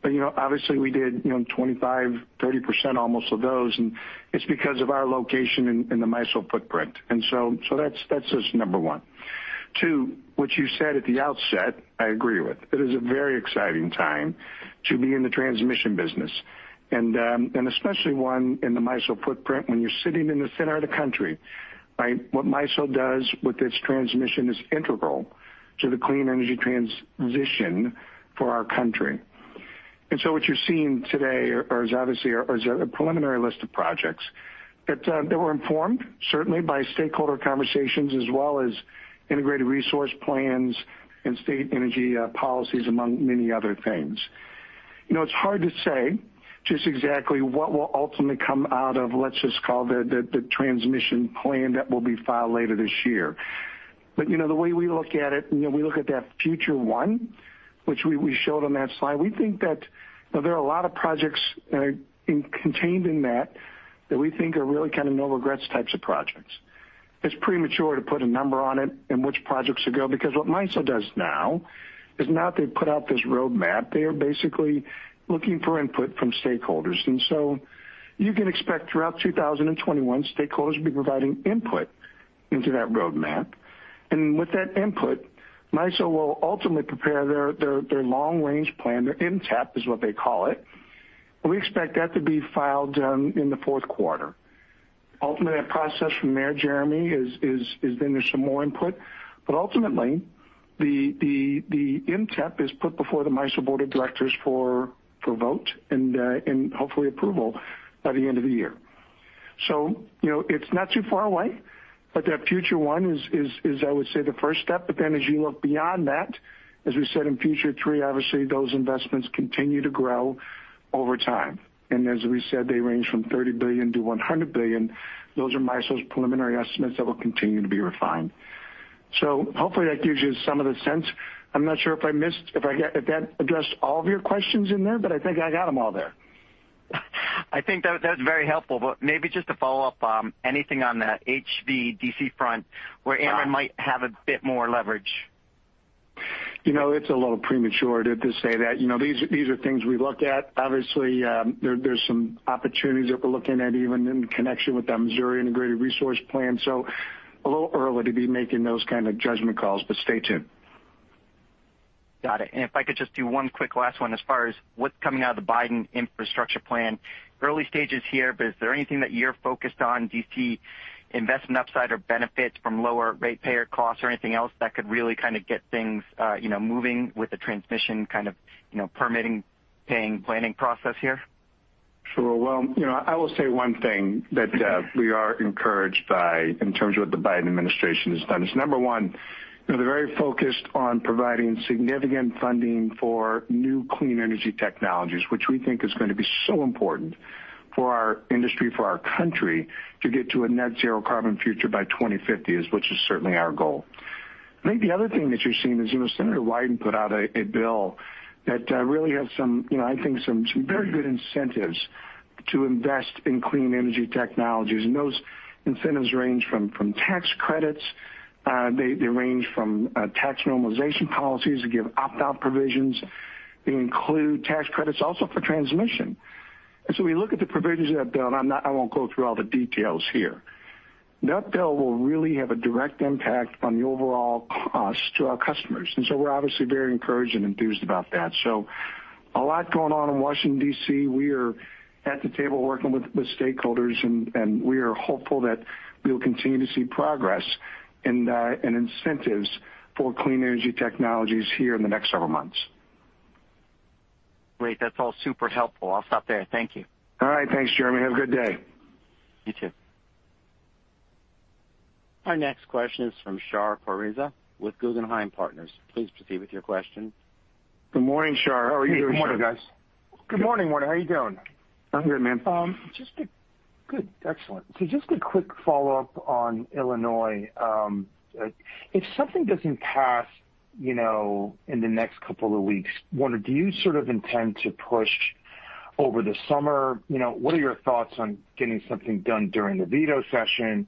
but obviously we did 25%, 30% almost of those, and it's because of our location in the MISO footprint. That's just number one. Two, what you said at the outset, I agree with. It is a very exciting time to be in the transmission business, and especially one in the MISO footprint when you're sitting in the center of the country. Right? What MISO does with its transmission is integral to the clean energy transition for our country. What you're seeing today is obviously a preliminary list of projects that were informed certainly by stakeholder conversations as well as integrated resource plans and state energy policies, among many other things. It's hard to say just exactly what will ultimately come out of, let's just call the transmission plan that will be filed later this year. The way we look at it, we look at that future one, which we showed on that slide. We think that there are a lot of projects contained in that that we think are really kind of no regrets types of projects. It's premature to put a number on it and which projects to go, because what MISO does now is not they put out this roadmap. They are basically looking for input from stakeholders. You can expect throughout 2021, stakeholders will be providing input into that roadmap. With that input, MISO will ultimately prepare their long-range plan. Their MTEP is what they call it. We expect that to be filed in the fourth quarter. Ultimately, that process from there, Jeremy, is then there's some more input. Ultimately, the MTEP is put before the MISO board of directors for vote and hopefully approval by the end of the year. It's not too far away, but that future one is I would say the first step. As you look beyond that, as we said in future three, obviously, those investments continue to grow over time. As we said, they range from $30 billion-$100 billion. Those are MISO's preliminary estimates that will continue to be refined. Hopefully that gives you some of the sense. I'm not sure if that addressed all of your questions in there, but I think I got them all there. I think that's very helpful, but maybe just to follow up, anything on the HVDC front where Ameren might have a bit more leverage? It's a little premature to say that. These are things we look at. Obviously, there's some opportunities that we're looking at even in connection with that Missouri Integrated Resource Plan. A little early to be making those kind of judgment calls, but stay tuned. Got it. If I could just do one quick last one as far as what's coming out of the Biden infrastructure plan. Early stages here, is there anything that you're focused on, do you see investment upside or benefits from lower ratepayer costs or anything else that could really kind of get things moving with the transmission kind of permitting, paying, planning process here? Sure. Well, I will say one thing that we are encouraged by in terms of what the Biden administration has done is, number one, they're very focused on providing significant funding for new clean energy technologies, which we think is going to be so important for our industry, for our country, to get to a net zero carbon future by 2050, which is certainly our goal. I think the other thing that you're seeing is Senator Wyden put out a bill that really has some very good incentives to invest in clean energy technologies, and those incentives range from tax credits. They range from tax normalization policies that give opt-out provisions. They include tax credits also for transmission. We look at the provisions of that bill, and I won't go through all the details here. That bill will really have a direct impact on the overall cost to our customers, and so we're obviously very encouraged and enthused about that. A lot going on in Washington, DC. We are at the table working with stakeholders, and we are hopeful that we will continue to see progress and incentives for clean energy technologies here in the next several months. Great. That's all super helpful. I'll stop there. Thank you. All right. Thanks, Jeremy. Have a good day. You too. Our next question is from Shahriar Pourreza with Guggenheim Partners. Please proceed with your question. Good morning, Shar. How are you doing this morning? Good morning, guys. Good morning, Warner. How are you doing? I'm good, man. Good. Excellent. Just a quick follow-up on Illinois. If something doesn't pass in the next couple of weeks, Warner, do you sort of intend to push over the summer? What are your thoughts on getting something done during the veto session?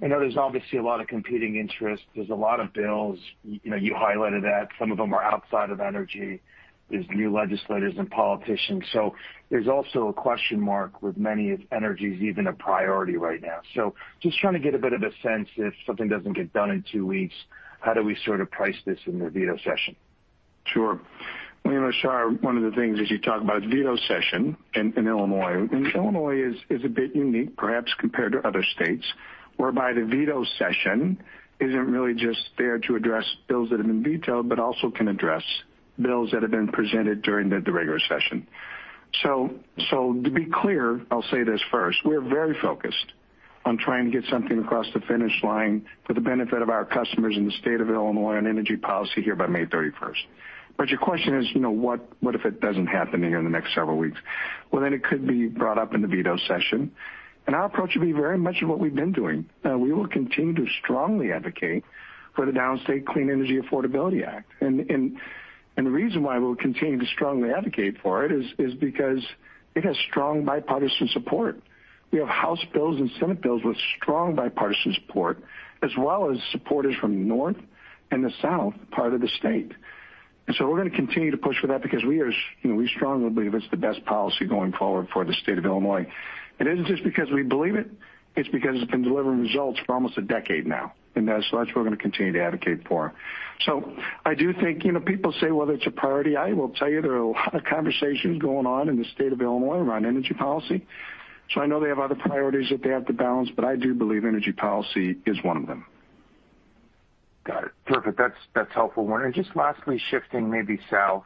I know there's obviously a lot of competing interests. There's a lot of bills. You highlighted that. Some of them are outside of energy. There's new legislators and politicians. There's also a question mark with many if energy's even a priority right now. Just trying to get a bit of a sense, if something doesn't get done in two weeks, how do we sort of price this in the veto session? Sure. Shahriar, one of the things as you talk about the veto session in Illinois is a bit unique, perhaps compared to other states, whereby the veto session isn't really just there to address bills that have been vetoed, but also can address bills that have been presented during the regular session. To be clear, I'll say this first, we're very focused on trying to get something across the finish line for the benefit of our customers in the state of Illinois on energy policy here by May 31st. Your question is what if it doesn't happen here in the next several weeks? It could be brought up in the veto session, our approach would be very much of what we've been doing. We will continue to strongly advocate for the Downstate Clean Energy Affordability Act. The reason why we'll continue to strongly advocate for it is because it has strong bipartisan support. We have House bills and Senate bills with strong bipartisan support, as well as supporters from the north and the south part of the state. We're going to continue to push for that because we strongly believe it's the best policy going forward for the state of Illinois. It isn't just because we believe it; it's because it's been delivering results for almost a decade now, and as such, we're going to continue to advocate for. I do think people say whether it's a priority, I will tell you there are a lot of conversations going on in the state of Illinois around energy policy. I know they have other priorities that they have to balance, but I do believe energy policy is one of them. Got it. Perfect. That's helpful, Warner. Just lastly, shifting maybe south.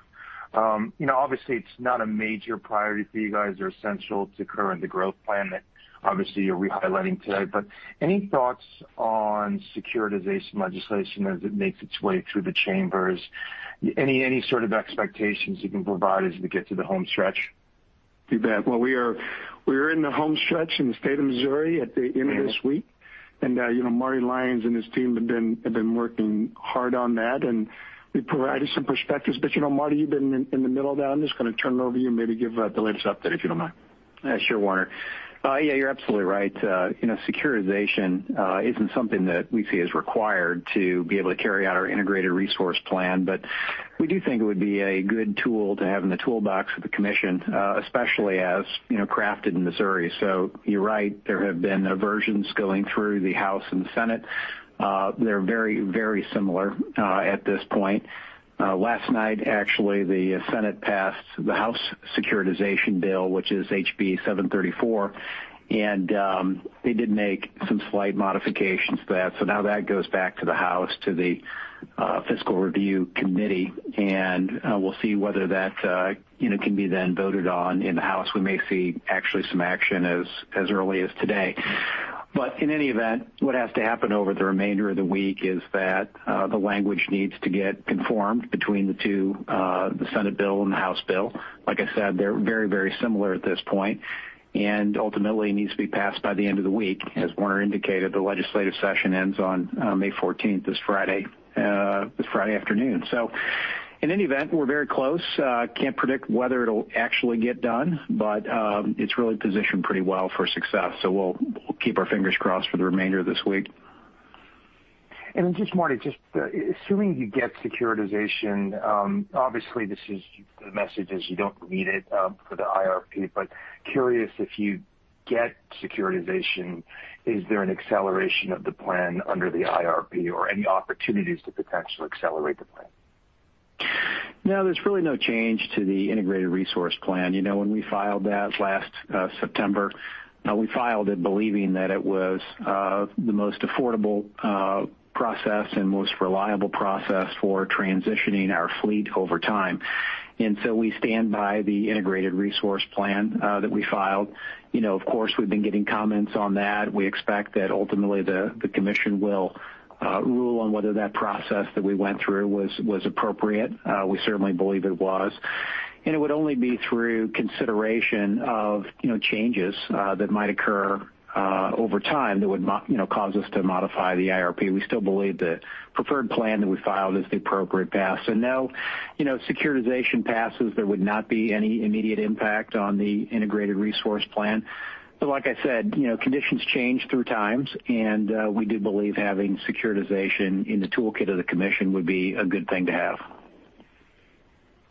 Obviously, it's not a major priority for you guys or essential to current growth plan that obviously you're re-highlighting today. Any thoughts on securitization legislation as it makes its way through the chambers? Any sort of expectations you can provide as we get to the home stretch? You bet. Well, we are in the home stretch in the state of Missouri at the end of this week. Marty Lyons and his team have been working hard on that, and we provided some perspectives. Marty, you've been in the middle of that. I'm just going to turn it over to you and maybe give the latest update, if you don't mind. Sure, Warner. You're absolutely right. Securitization isn't something that we see as required to be able to carry out our integrated resource plan. We do think it would be a good tool to have in the toolbox for the commission, especially as crafted in Missouri. You're right, there have been versions going through the House and the Senate. They're very similar at this point. Last night, actually, the Senate passed the House securitization bill, which is HB 734. They did make some slight modifications to that. Now that goes back to the House, to the Fiscal Review Committee. We'll see whether that can be then voted on in the House. We may see actually some action as early as today. In any event, what has to happen over the remainder of the week is that the language needs to get conformed between the two, the Senate Bill and the House Bill. Like I said, they're very similar at this point, and ultimately needs to be passed by the end of the week. As Warner indicated, the legislative session ends on May 14th, this Friday afternoon. In any event, we're very close. Can't predict whether it'll actually get done, but it's really positioned pretty well for success. We'll keep our fingers crossed for the remainder of this week. Marty, just assuming you get securitization, obviously the message is you don't need it for the IRP, but curious if you get securitization, is there an acceleration of the plan under the IRP or any opportunities to potentially accelerate the plan? No, there's really no change to the Integrated Resource Plan. When we filed that last September. We filed it believing that it was the most affordable process and most reliable process for transitioning our fleet over time. We stand by the Integrated Resource Plan that we filed. Of course, we've been getting comments on that. We expect that ultimately the Commission will rule on whether that process that we went through was appropriate. We certainly believe it was. It would only be through consideration of changes that might occur over time that would cause us to modify the IRP. We still believe the preferred plan that we filed is the appropriate path. No securitization passes, there would not be any immediate impact on the Integrated Resource Plan. Like I said, conditions change through times, and we do believe having securitization in the toolkit of the commission would be a good thing to have.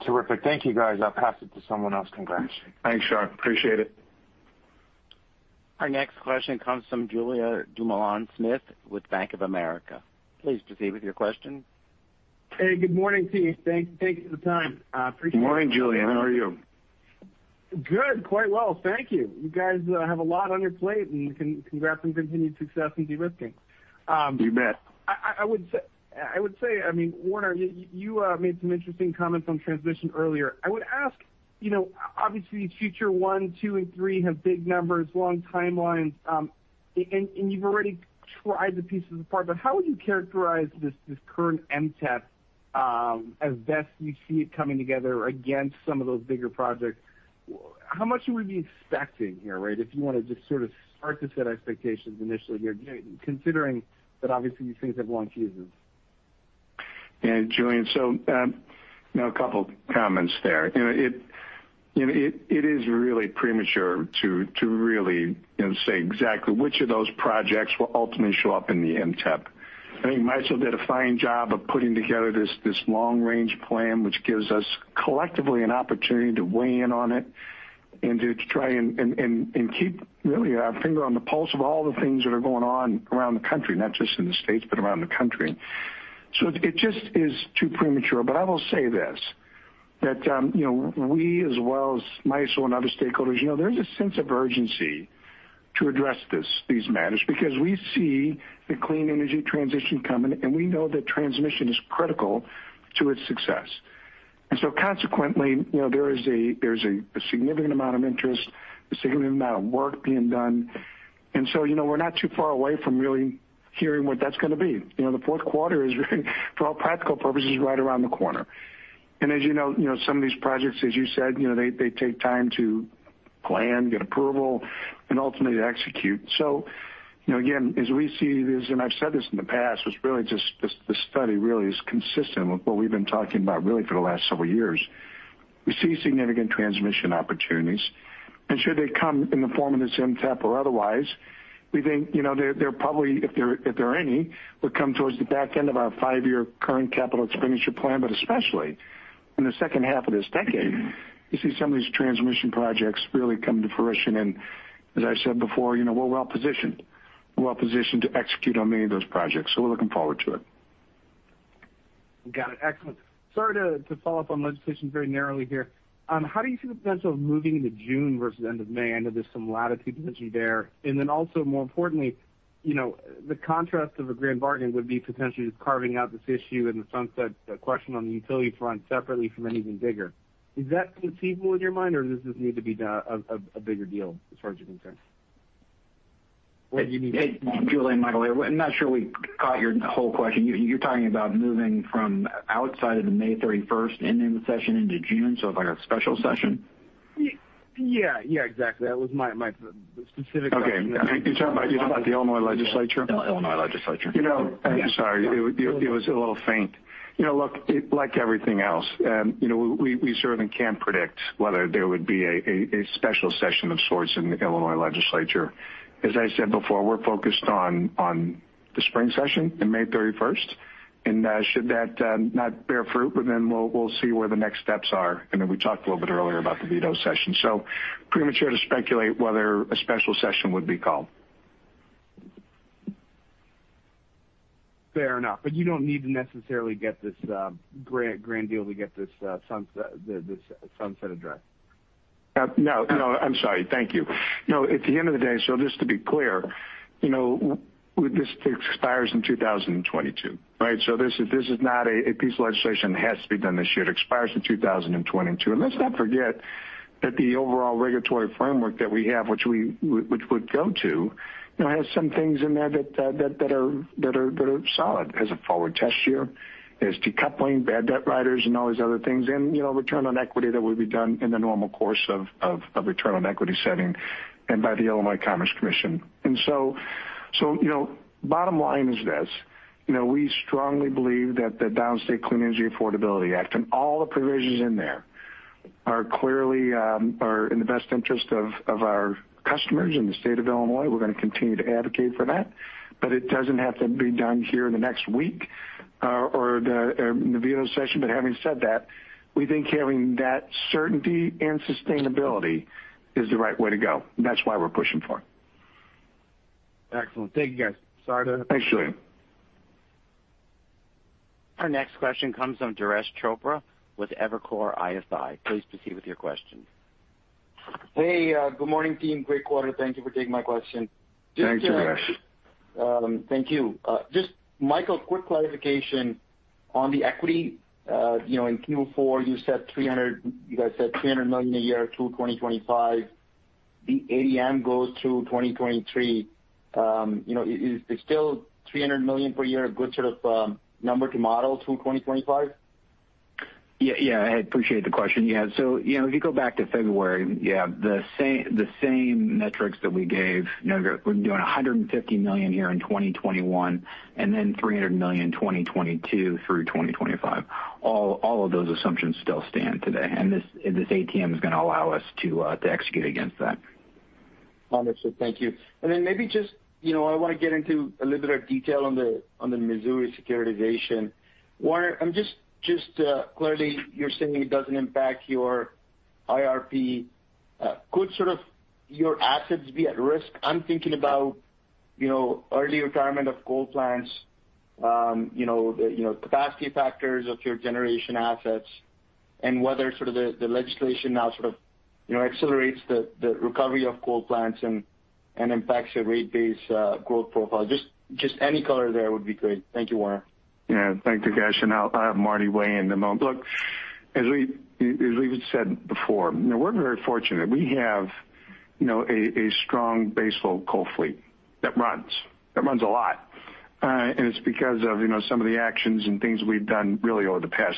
Terrific. Thank you, guys. I'll pass it to someone else. Congrats. Thanks, Shar. Appreciate it. Our next question comes from Julien Dumoulin-Smith with Bank of America. Please proceed with your question. Hey, good morning to you. Thanks for the time. Appreciate it. Good morning, Julien. How are you? Good. Quite well. Thank you. You guys have a lot on your plate. Congrats on continued success in de-risking. You bet. I would say, Warner, you made some interesting comments on transmission earlier. I would ask, obviously future one, two, and three have big numbers, long timelines, and you've already tried to piece this apart. How would you characterize this current MTEP as best you see it coming together against some of those bigger projects? How much should we be expecting here? If you want to just sort of start to set expectations initially here, considering that obviously these things have long fuses. Yeah. Julien, a couple comments there. It is really premature to really say exactly which of those projects will ultimately show up in the MTEP. I think MISO did a fine job of putting together this long-range plan, which gives us collectively an opportunity to weigh in on it and to try and keep really our finger on the pulse of all the things that are going on around the country, not just in the States, but around the country. It just is too premature. I will say this, that we as well as MISO and other stakeholders, there's a sense of urgency to address these matters because we see the clean energy transition coming, and we know that transmission is critical to its success. Consequently, there's a significant amount of interest, a significant amount of work being done. We're not too far away from really hearing what that's going to be. The fourth quarter is for all practical purposes, right around the corner. As you know, some of these projects, as you said, they take time to plan, get approval, and ultimately execute. Again, as we see this, and I've said this in the past, this study really is consistent with what we've been talking about really for the last several years. We see significant transmission opportunities, and should they come in the form of this MTEP or otherwise, we think, they're probably, if there are any, would come towards the back end of our five-year current capital expenditure plan, but especially in the second half of this decade, you see some of these transmission projects really come to fruition. As I said before, we're well-positioned. We're well-positioned to execute on many of those projects. We're looking forward to it. Got it. Excellent. Sorry to follow up on legislation very narrowly here. How do you see the potential of moving into June versus the end of May? I know there's some latitude potentially there. Then also more importantly, the contrast of a grand bargain would be potentially carving out this issue and the sunset question on the utility front separately from anything bigger. Is that conceivable in your mind, or does this need to be a bigger deal as far as you're concerned? What do you mean? Hey, Julien. Michael here. I'm not sure we caught your whole question. You're talking about moving from outside of the May 31st ending session into June, if like a special session? Yeah, exactly. That was my specific. Okay. You're talking about the Illinois legislature? The Illinois legislature. I'm sorry. It was a little faint. Like everything else, we certainly can't predict whether there would be a special session of sorts in the Illinois legislature. As I said before, we're focused on the spring session in May 31st, and should that not bear fruit, well, then we'll see where the next steps are. I know we talked a little bit earlier about the veto session. Premature to speculate whether a special session would be called. Fair enough. You don't need to necessarily get this grand deal to get this sunset addressed. No. I'm sorry. Thank you. At the end of the day, just to be clear, this expires in 2022, right? This is not a piece of legislation that has to be done this year. It expires in 2022. Let's not forget that the overall regulatory framework that we have, which would go to, has some things in there that are solid. There's a forward test year, there's decoupling, bad debt riders, and all these other things, and return on equity that would be done in the normal course of return on equity setting and by the Illinois Commerce Commission. Bottom line is this, we strongly believe that the Downstate Clean Energy Affordability Act and all the provisions in there are clearly in the best interest of our customers in the state of Illinois. We're going to continue to advocate for that. It doesn't have to be done here in the next week or the veto session. Having said that, we think having that certainty and sustainability is the right way to go. That's why we're pushing for it. Excellent. Thank you, guys. Thanks, Julien Our next question comes from Durgesh Chopra with Evercore ISI. Please proceed with your question. Hey, good morning, team. Great quarter. Thank you for taking my question. Thanks, Durgesh. Thank you. Just, Michael, quick clarification on the equity. In Q4, you guys said $300 million a year through 2025. The ATM goes through 2023. Is still $300 million per year a good sort of number to model through 2025? I appreciate the question. If you go back to February, the same metrics that we gave, we're doing $150 million here in 2021, then $300 million in 2022-2025. All of those assumptions still stand today, and this ATM is going to allow us to execute against that. Understood. Thank you. I want to get into a little bit of detail on the Missouri securitization. Warner, just to clarify, you're saying it doesn't impact your IRP. Could your assets be at risk? I'm thinking about early retirement of coal plants, the capacity factors of your generation assets, and whether the legislation now accelerates the recovery of coal plants and impacts your rate base growth profile. Just any color there would be great. Thank you, Warner. Yeah. Thanks, Durgesh, I'll have Marty weigh in in a moment. Look, as we've said before, we're very fortunate. We have a strong base load coal fleet that runs a lot. It's because of some of the actions and things we've done really over the past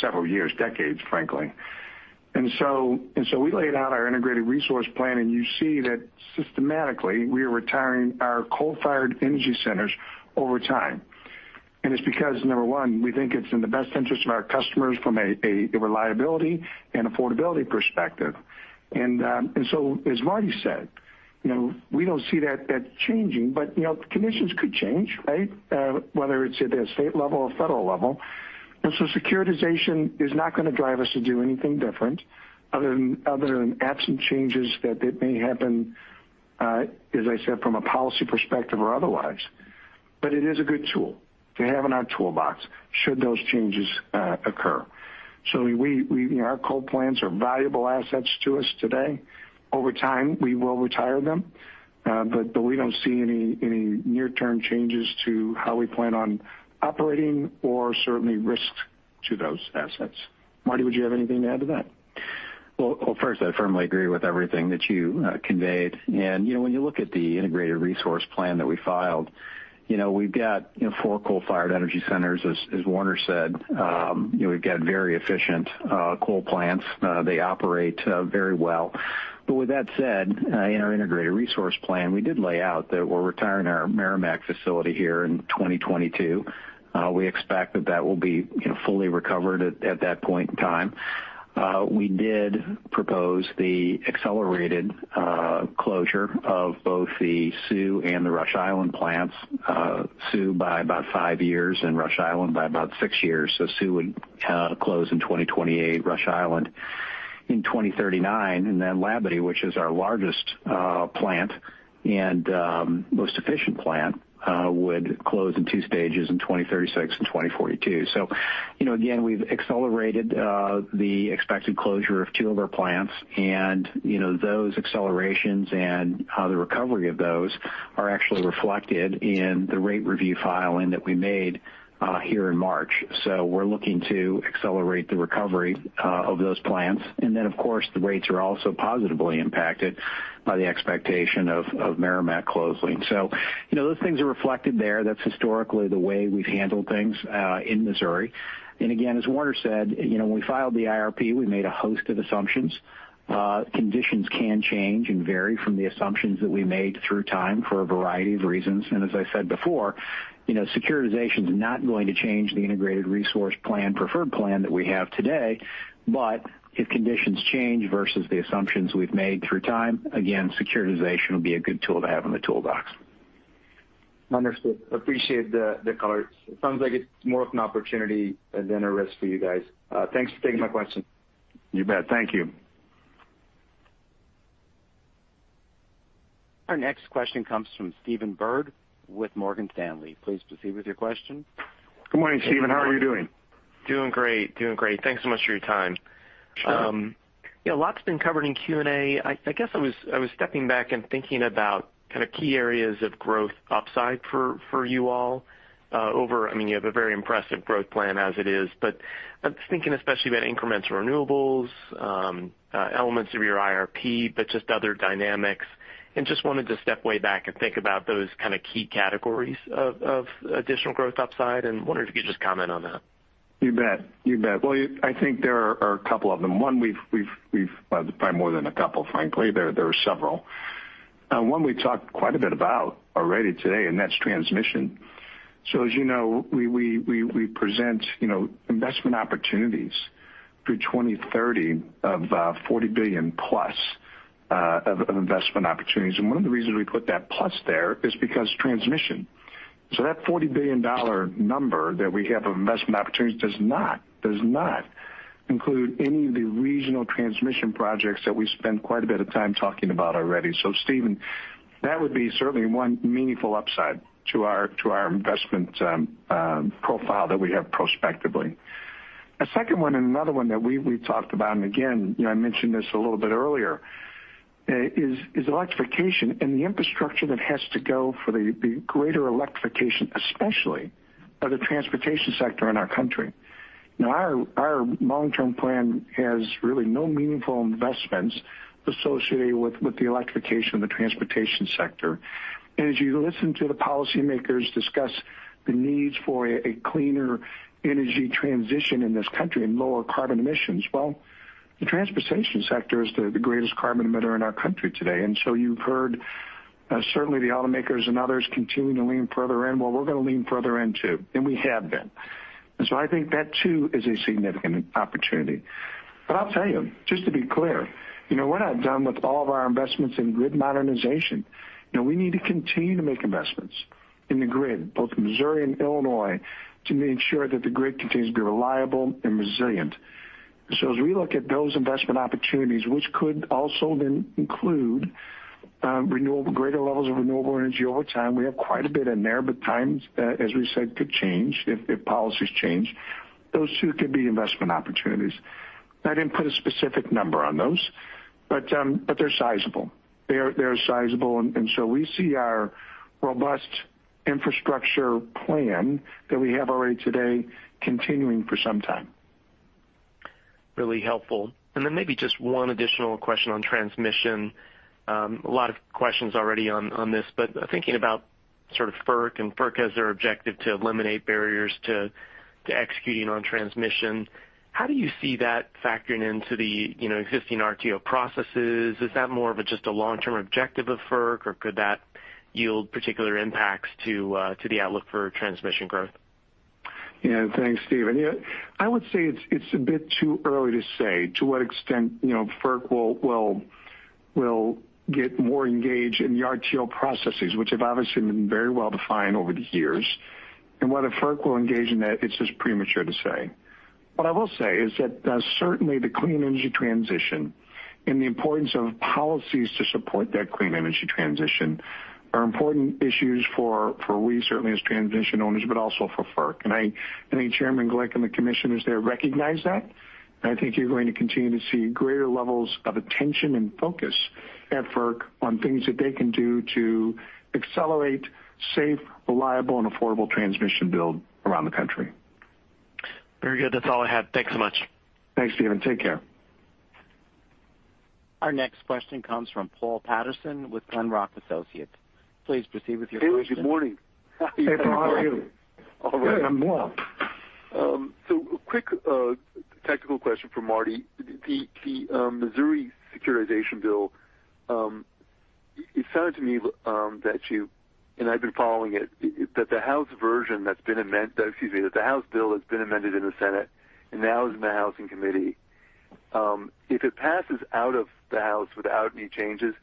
several years, decades, frankly. We laid out our integrated resource plan, and you see that systematically, we are retiring our coal-fired energy centers over time. It's because, number one, we think it's in the best interest of our customers from a reliability and affordability perspective. As Marty said, we don't see that changing, but conditions could change, right? Whether it's at a state level or federal level. Securitization is not going to drive us to do anything different other than absent changes that may happen, as I said, from a policy perspective or otherwise. It is a good tool to have in our toolbox should those changes occur. Our coal plants are valuable assets to us today. Over time, we will retire them. We don't see any near-term changes to how we plan on operating or certainly risks to those assets. Marty, would you have anything to add to that? Well, first, I firmly agree with everything that you conveyed. When you look at the integrated resource plan that we filed, we've got four coal-fired energy centers, as Warner said. We've got very efficient coal plants. They operate very well. With that said, in our integrated resource plan, we did lay out that we're retiring our Meramec facility here in 2022. We expect that that will be fully recovered at that point in time. We did propose the accelerated closure of both the Sioux and the Rush Island plants. Sioux by about five years and Rush Island by about six years. Sioux would close in 2028, Rush Island in 2039, and then Labadie, which is our largest plant and most efficient plant would close in two stages in 2036 and 2042. Again, we've accelerated the expected closure of two of our plants. Those accelerations and the recovery of those are actually reflected in the rate review filing that we made here in March. We're looking to accelerate the recovery of those plants. Then, of course, the rates are also positively impacted by the expectation of Meramec closing. Those things are reflected there. That's historically the way we've handled things in Missouri. Again, as Warner said, when we filed the IRP, we made a host of assumptions. Conditions can change and vary from the assumptions that we made through time for a variety of reasons. As I said before, securitization is not going to change the integrated resource plan preferred plan that we have today. If conditions change versus the assumptions we've made through time, again, securitization will be a good tool to have in the toolbox. Understood. Appreciate the color. It sounds like it's more of an opportunity than a risk for you guys. Thanks for taking my question. You bet. Thank you. Our next question comes from Stephen Byrd with Morgan Stanley. Please proceed with your question. Good morning, Stephen. How are you doing? Doing great. Thanks so much for your time. Sure. A lot's been covered in Q&A. I guess I was stepping back and thinking about kind of key areas of growth upside for you all. I mean, you have a very impressive growth plan as it is, but I'm thinking especially about incremental renewables, elements of your IRP, but just other dynamics, and just wanted to step way back and think about those kind of key categories of additional growth upside, and wondered if you could just comment on that. You bet. Well, I think there are a couple of them. Probably more than a couple, frankly. There are several. One we talked quite a bit about already today, and that's transmission. As you know, we present investment opportunities through 2030 of $40+ billion of investment opportunities. One of the reasons we put that plus there is because transmission. That $40 billion number that we have of investment opportunities does not include any of the regional transmission projects that we spent quite a bit of time talking about already. Stephen, that would be certainly one meaningful upside to our investment profile that we have prospectively. A second one and another one that we've talked about, and again, I mentioned this a little bit earlier, is electrification and the infrastructure that has to go for the greater electrification, especially of the transportation sector in our country. Our long-term plan has really no meaningful investments associated with the electrification of the transportation sector. As you listen to the policymakers discuss the needs for a cleaner energy transition in this country and lower carbon emissions, well, the transportation sector is the greatest carbon emitter in our country today. You've heard certainly the automakers and others continuing to lean further in. Well, we're going to lean further in, too, and we have been. I think that too is a significant opportunity. I'll tell you, just to be clear, we're not done with all of our investments in grid modernization. We need to continue to make investments in the grid, both in Missouri and Illinois, to ensure that the grid continues to be reliable and resilient. As we look at those investment opportunities, which could also then include greater levels of renewable energy over time, we have quite a bit in there, but times, as we said, could change if policies change. Those two could be investment opportunities. I didn't put a specific number on those, but they're sizable. They are sizable, we see our robust infrastructure plan that we have already today continuing for some time. Really helpful. Maybe just one additional question on transmission. A lot of questions already on this, thinking about sort of FERC has their objective to eliminate barriers to executing on transmission, how do you see that factoring into the existing RTO processes? Is that more of just a long-term objective of FERC, or could that yield particular impacts to the outlook for transmission growth? Yeah. Thanks, Stephen. I would say it's a bit too early to say to what extent FERC will get more engaged in the RTO processes, which have obviously been very well-defined over the years, and whether FERC will engage in that, it's just premature to say. What I will say is that certainly the clean energy transition and the importance of policies to support that clean energy transition are important issues for we certainly as transmission owners, but also for FERC. I think Chairman Glick and the commissioners there recognize that. I think you're going to continue to see greater levels of attention and focus at FERC on things that they can do to accelerate safe, reliable, and affordable transmission build around the country. Very good. That's all I have. Thanks so much. Thanks, Stephen. Take care. Our next question comes from Paul Patterson with Glenrock Associates. Please proceed with your question. Hey, good morning. Hey, Paul. How are you? All right. Good morning. A quick tactical question for Marty. The Missouri securitization bill, it sounded to me that you, and I've been following it, that the House bill that's been amended in the Senate and now is in the Housing Committee. If it passes out of the House without any changes,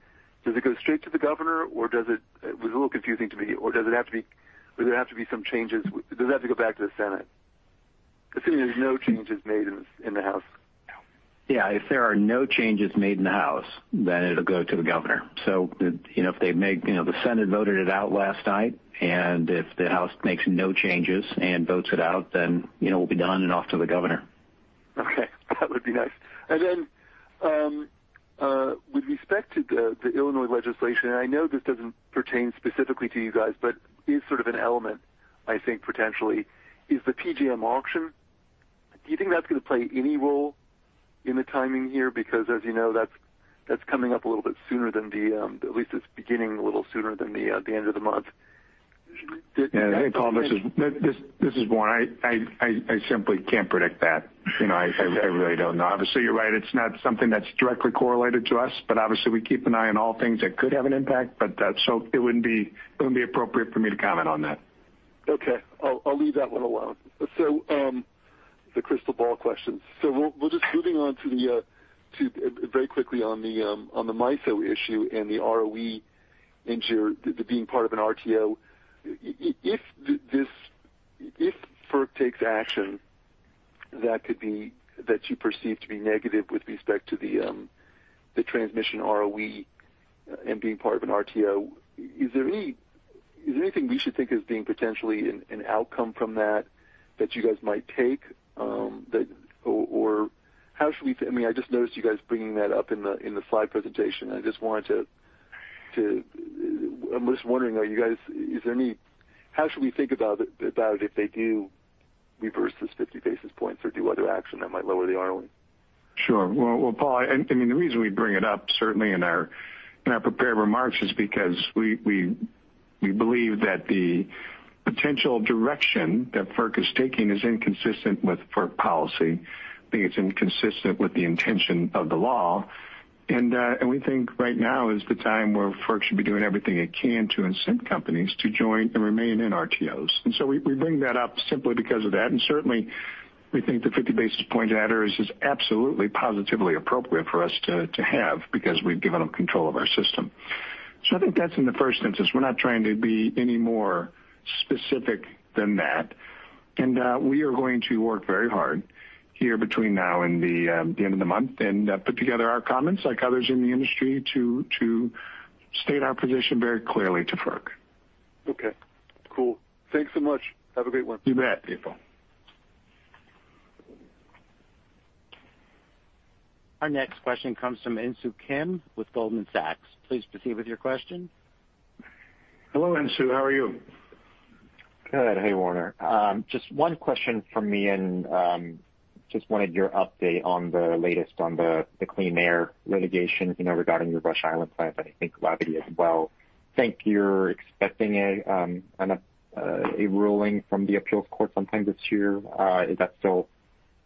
does it go straight to the Governor, or It was a little confusing to me. Would there have to be some changes? Does it have to go back to the Senate? Assuming there's no changes made in the House. If there are no changes made in the House, then it'll go to the governor. The Senate voted it out last night, and if the House makes no changes and votes it out, then we'll be done and off to the governor. Okay, that would be nice. With respect to the Illinois legislation, I know this doesn't pertain specifically to you guys, but is sort of an element, I think, potentially, is the PJM auction. Do you think that's going to play any role in the timing here, because as you know, that's coming up a little bit sooner than at least it's beginning a little sooner than the end of the month? Hey, Paul. This is Warner. I simply can't predict that. I really don't know. Obviously, you're right. It's not something that's directly correlated to us, but obviously, we keep an eye on all things that could have an impact. It wouldn't be appropriate for me to comment on that. Okay. I'll leave that one alone. The crystal ball questions. We're just moving on very quickly on the MISO issue and the ROE being part of an RTO. If FERC takes action that you perceive to be negative with respect to the transmission ROE and being part of an RTO, is there anything we should think of as being potentially an outcome from that that you guys might take? I just noticed you guys bringing that up in the slide presentation. I'm just wondering, how should we think about if they do reverse this 50 basis points or do other action that might lower the ROE? Well, Paul, the reason we bring it up certainly in our prepared remarks is because we believe that the potential direction that FERC is taking is inconsistent with FERC policy. I think it's inconsistent with the intention of the law. We think right now is the time where FERC should be doing everything it can to incent companies to join and remain in RTOs. We bring that up simply because of that. Certainly, we think the 50 basis point adders is absolutely positively appropriate for us to have because we've given them control of our system. I think that's in the first instance. We're not trying to be any more specific than that. We are going to work very hard here between now and the end of the month and put together our comments like others in the industry to state our position very clearly to FERC. Okay, cool. Thanks so much. Have a great one. You bet, Peter. Our next question comes from Insoo Kim with Goldman Sachs. Please proceed with your question. Hello, Insoo. How are you? Good. Hey, Warner. Just one question from me and just wanted your update on the latest on the clean air litigation regarding your Rush Island plant, I think Labadie as well. I think you're expecting a ruling from the appeals court sometime this year. Is that still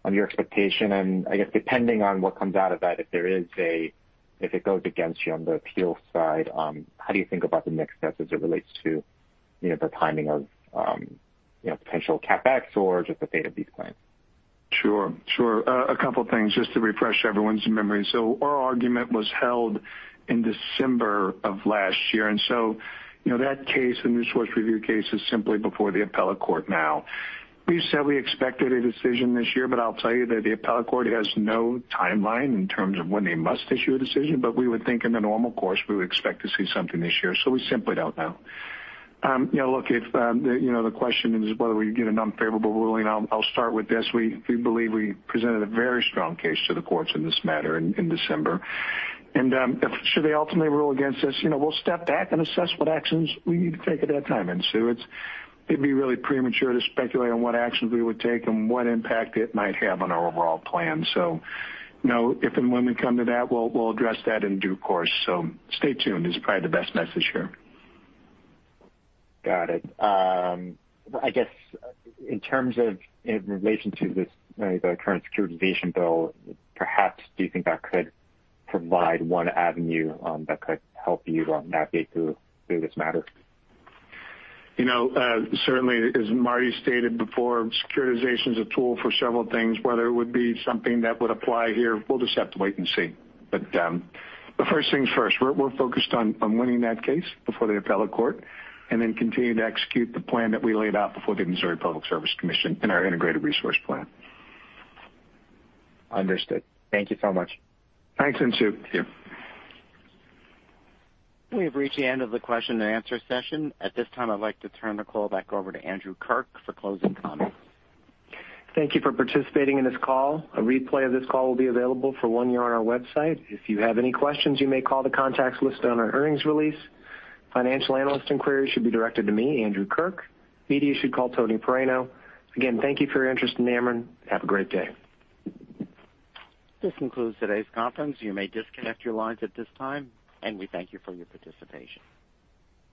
on your expectation? I guess depending on what comes out of that, if it goes against you on the appeals side, how do you think about the next steps as it relates to the timing of potential CapEx or just the fate of these plants? Sure. A couple things just to refresh everyone's memory. Our argument was held in December of last year, and so that case, the New Source review case, is simply before the appellate court now. We've said we expected a decision this year, but I'll tell you that the appellate court has no timeline in terms of when they must issue a decision. We would think in the normal course, we would expect to see something this year. We simply don't know. Look, if the question is whether we get an unfavorable ruling, I'll start with this. We believe we presented a very strong case to the courts in this matter in December. If should they ultimately rule against us, we'll step back and assess what actions we need to take at that time, Insoo. It'd be really premature to speculate on what actions we would take and what impact it might have on our overall plan. If and when we come to that, we'll address that in due course. Stay tuned is probably the best message here. Got it. I guess in terms of in relation to this, the current securitization bill, perhaps do you think that could provide one avenue that could help you navigate through this matter? Certainly, as Marty stated before, securitization is a tool for several things, whether it would be something that would apply here, we'll just have to wait and see. First things first. We're focused on winning that case before the appellate court and then continuing to execute the plan that we laid out before the Missouri Public Service Commission in our integrated resource plan. Understood. Thank you so much. Thanks, Insoo. Thank you. We have reached the end of the question and answer session. At this time, I'd like to turn the call back over to Andrew Kirk for closing comments. Thank you for participating in this call. A replay of this call will be available for one year on our website. If you have any questions, you may call the contacts listed on our earnings release. Financial analyst inquiries should be directed to me, Andrew Kirk. Media should call Tony Paraino. Again, thank you for your interest in Ameren. Have a great day. This concludes today's conference. You may disconnect your lines at this time. We thank you for your participation.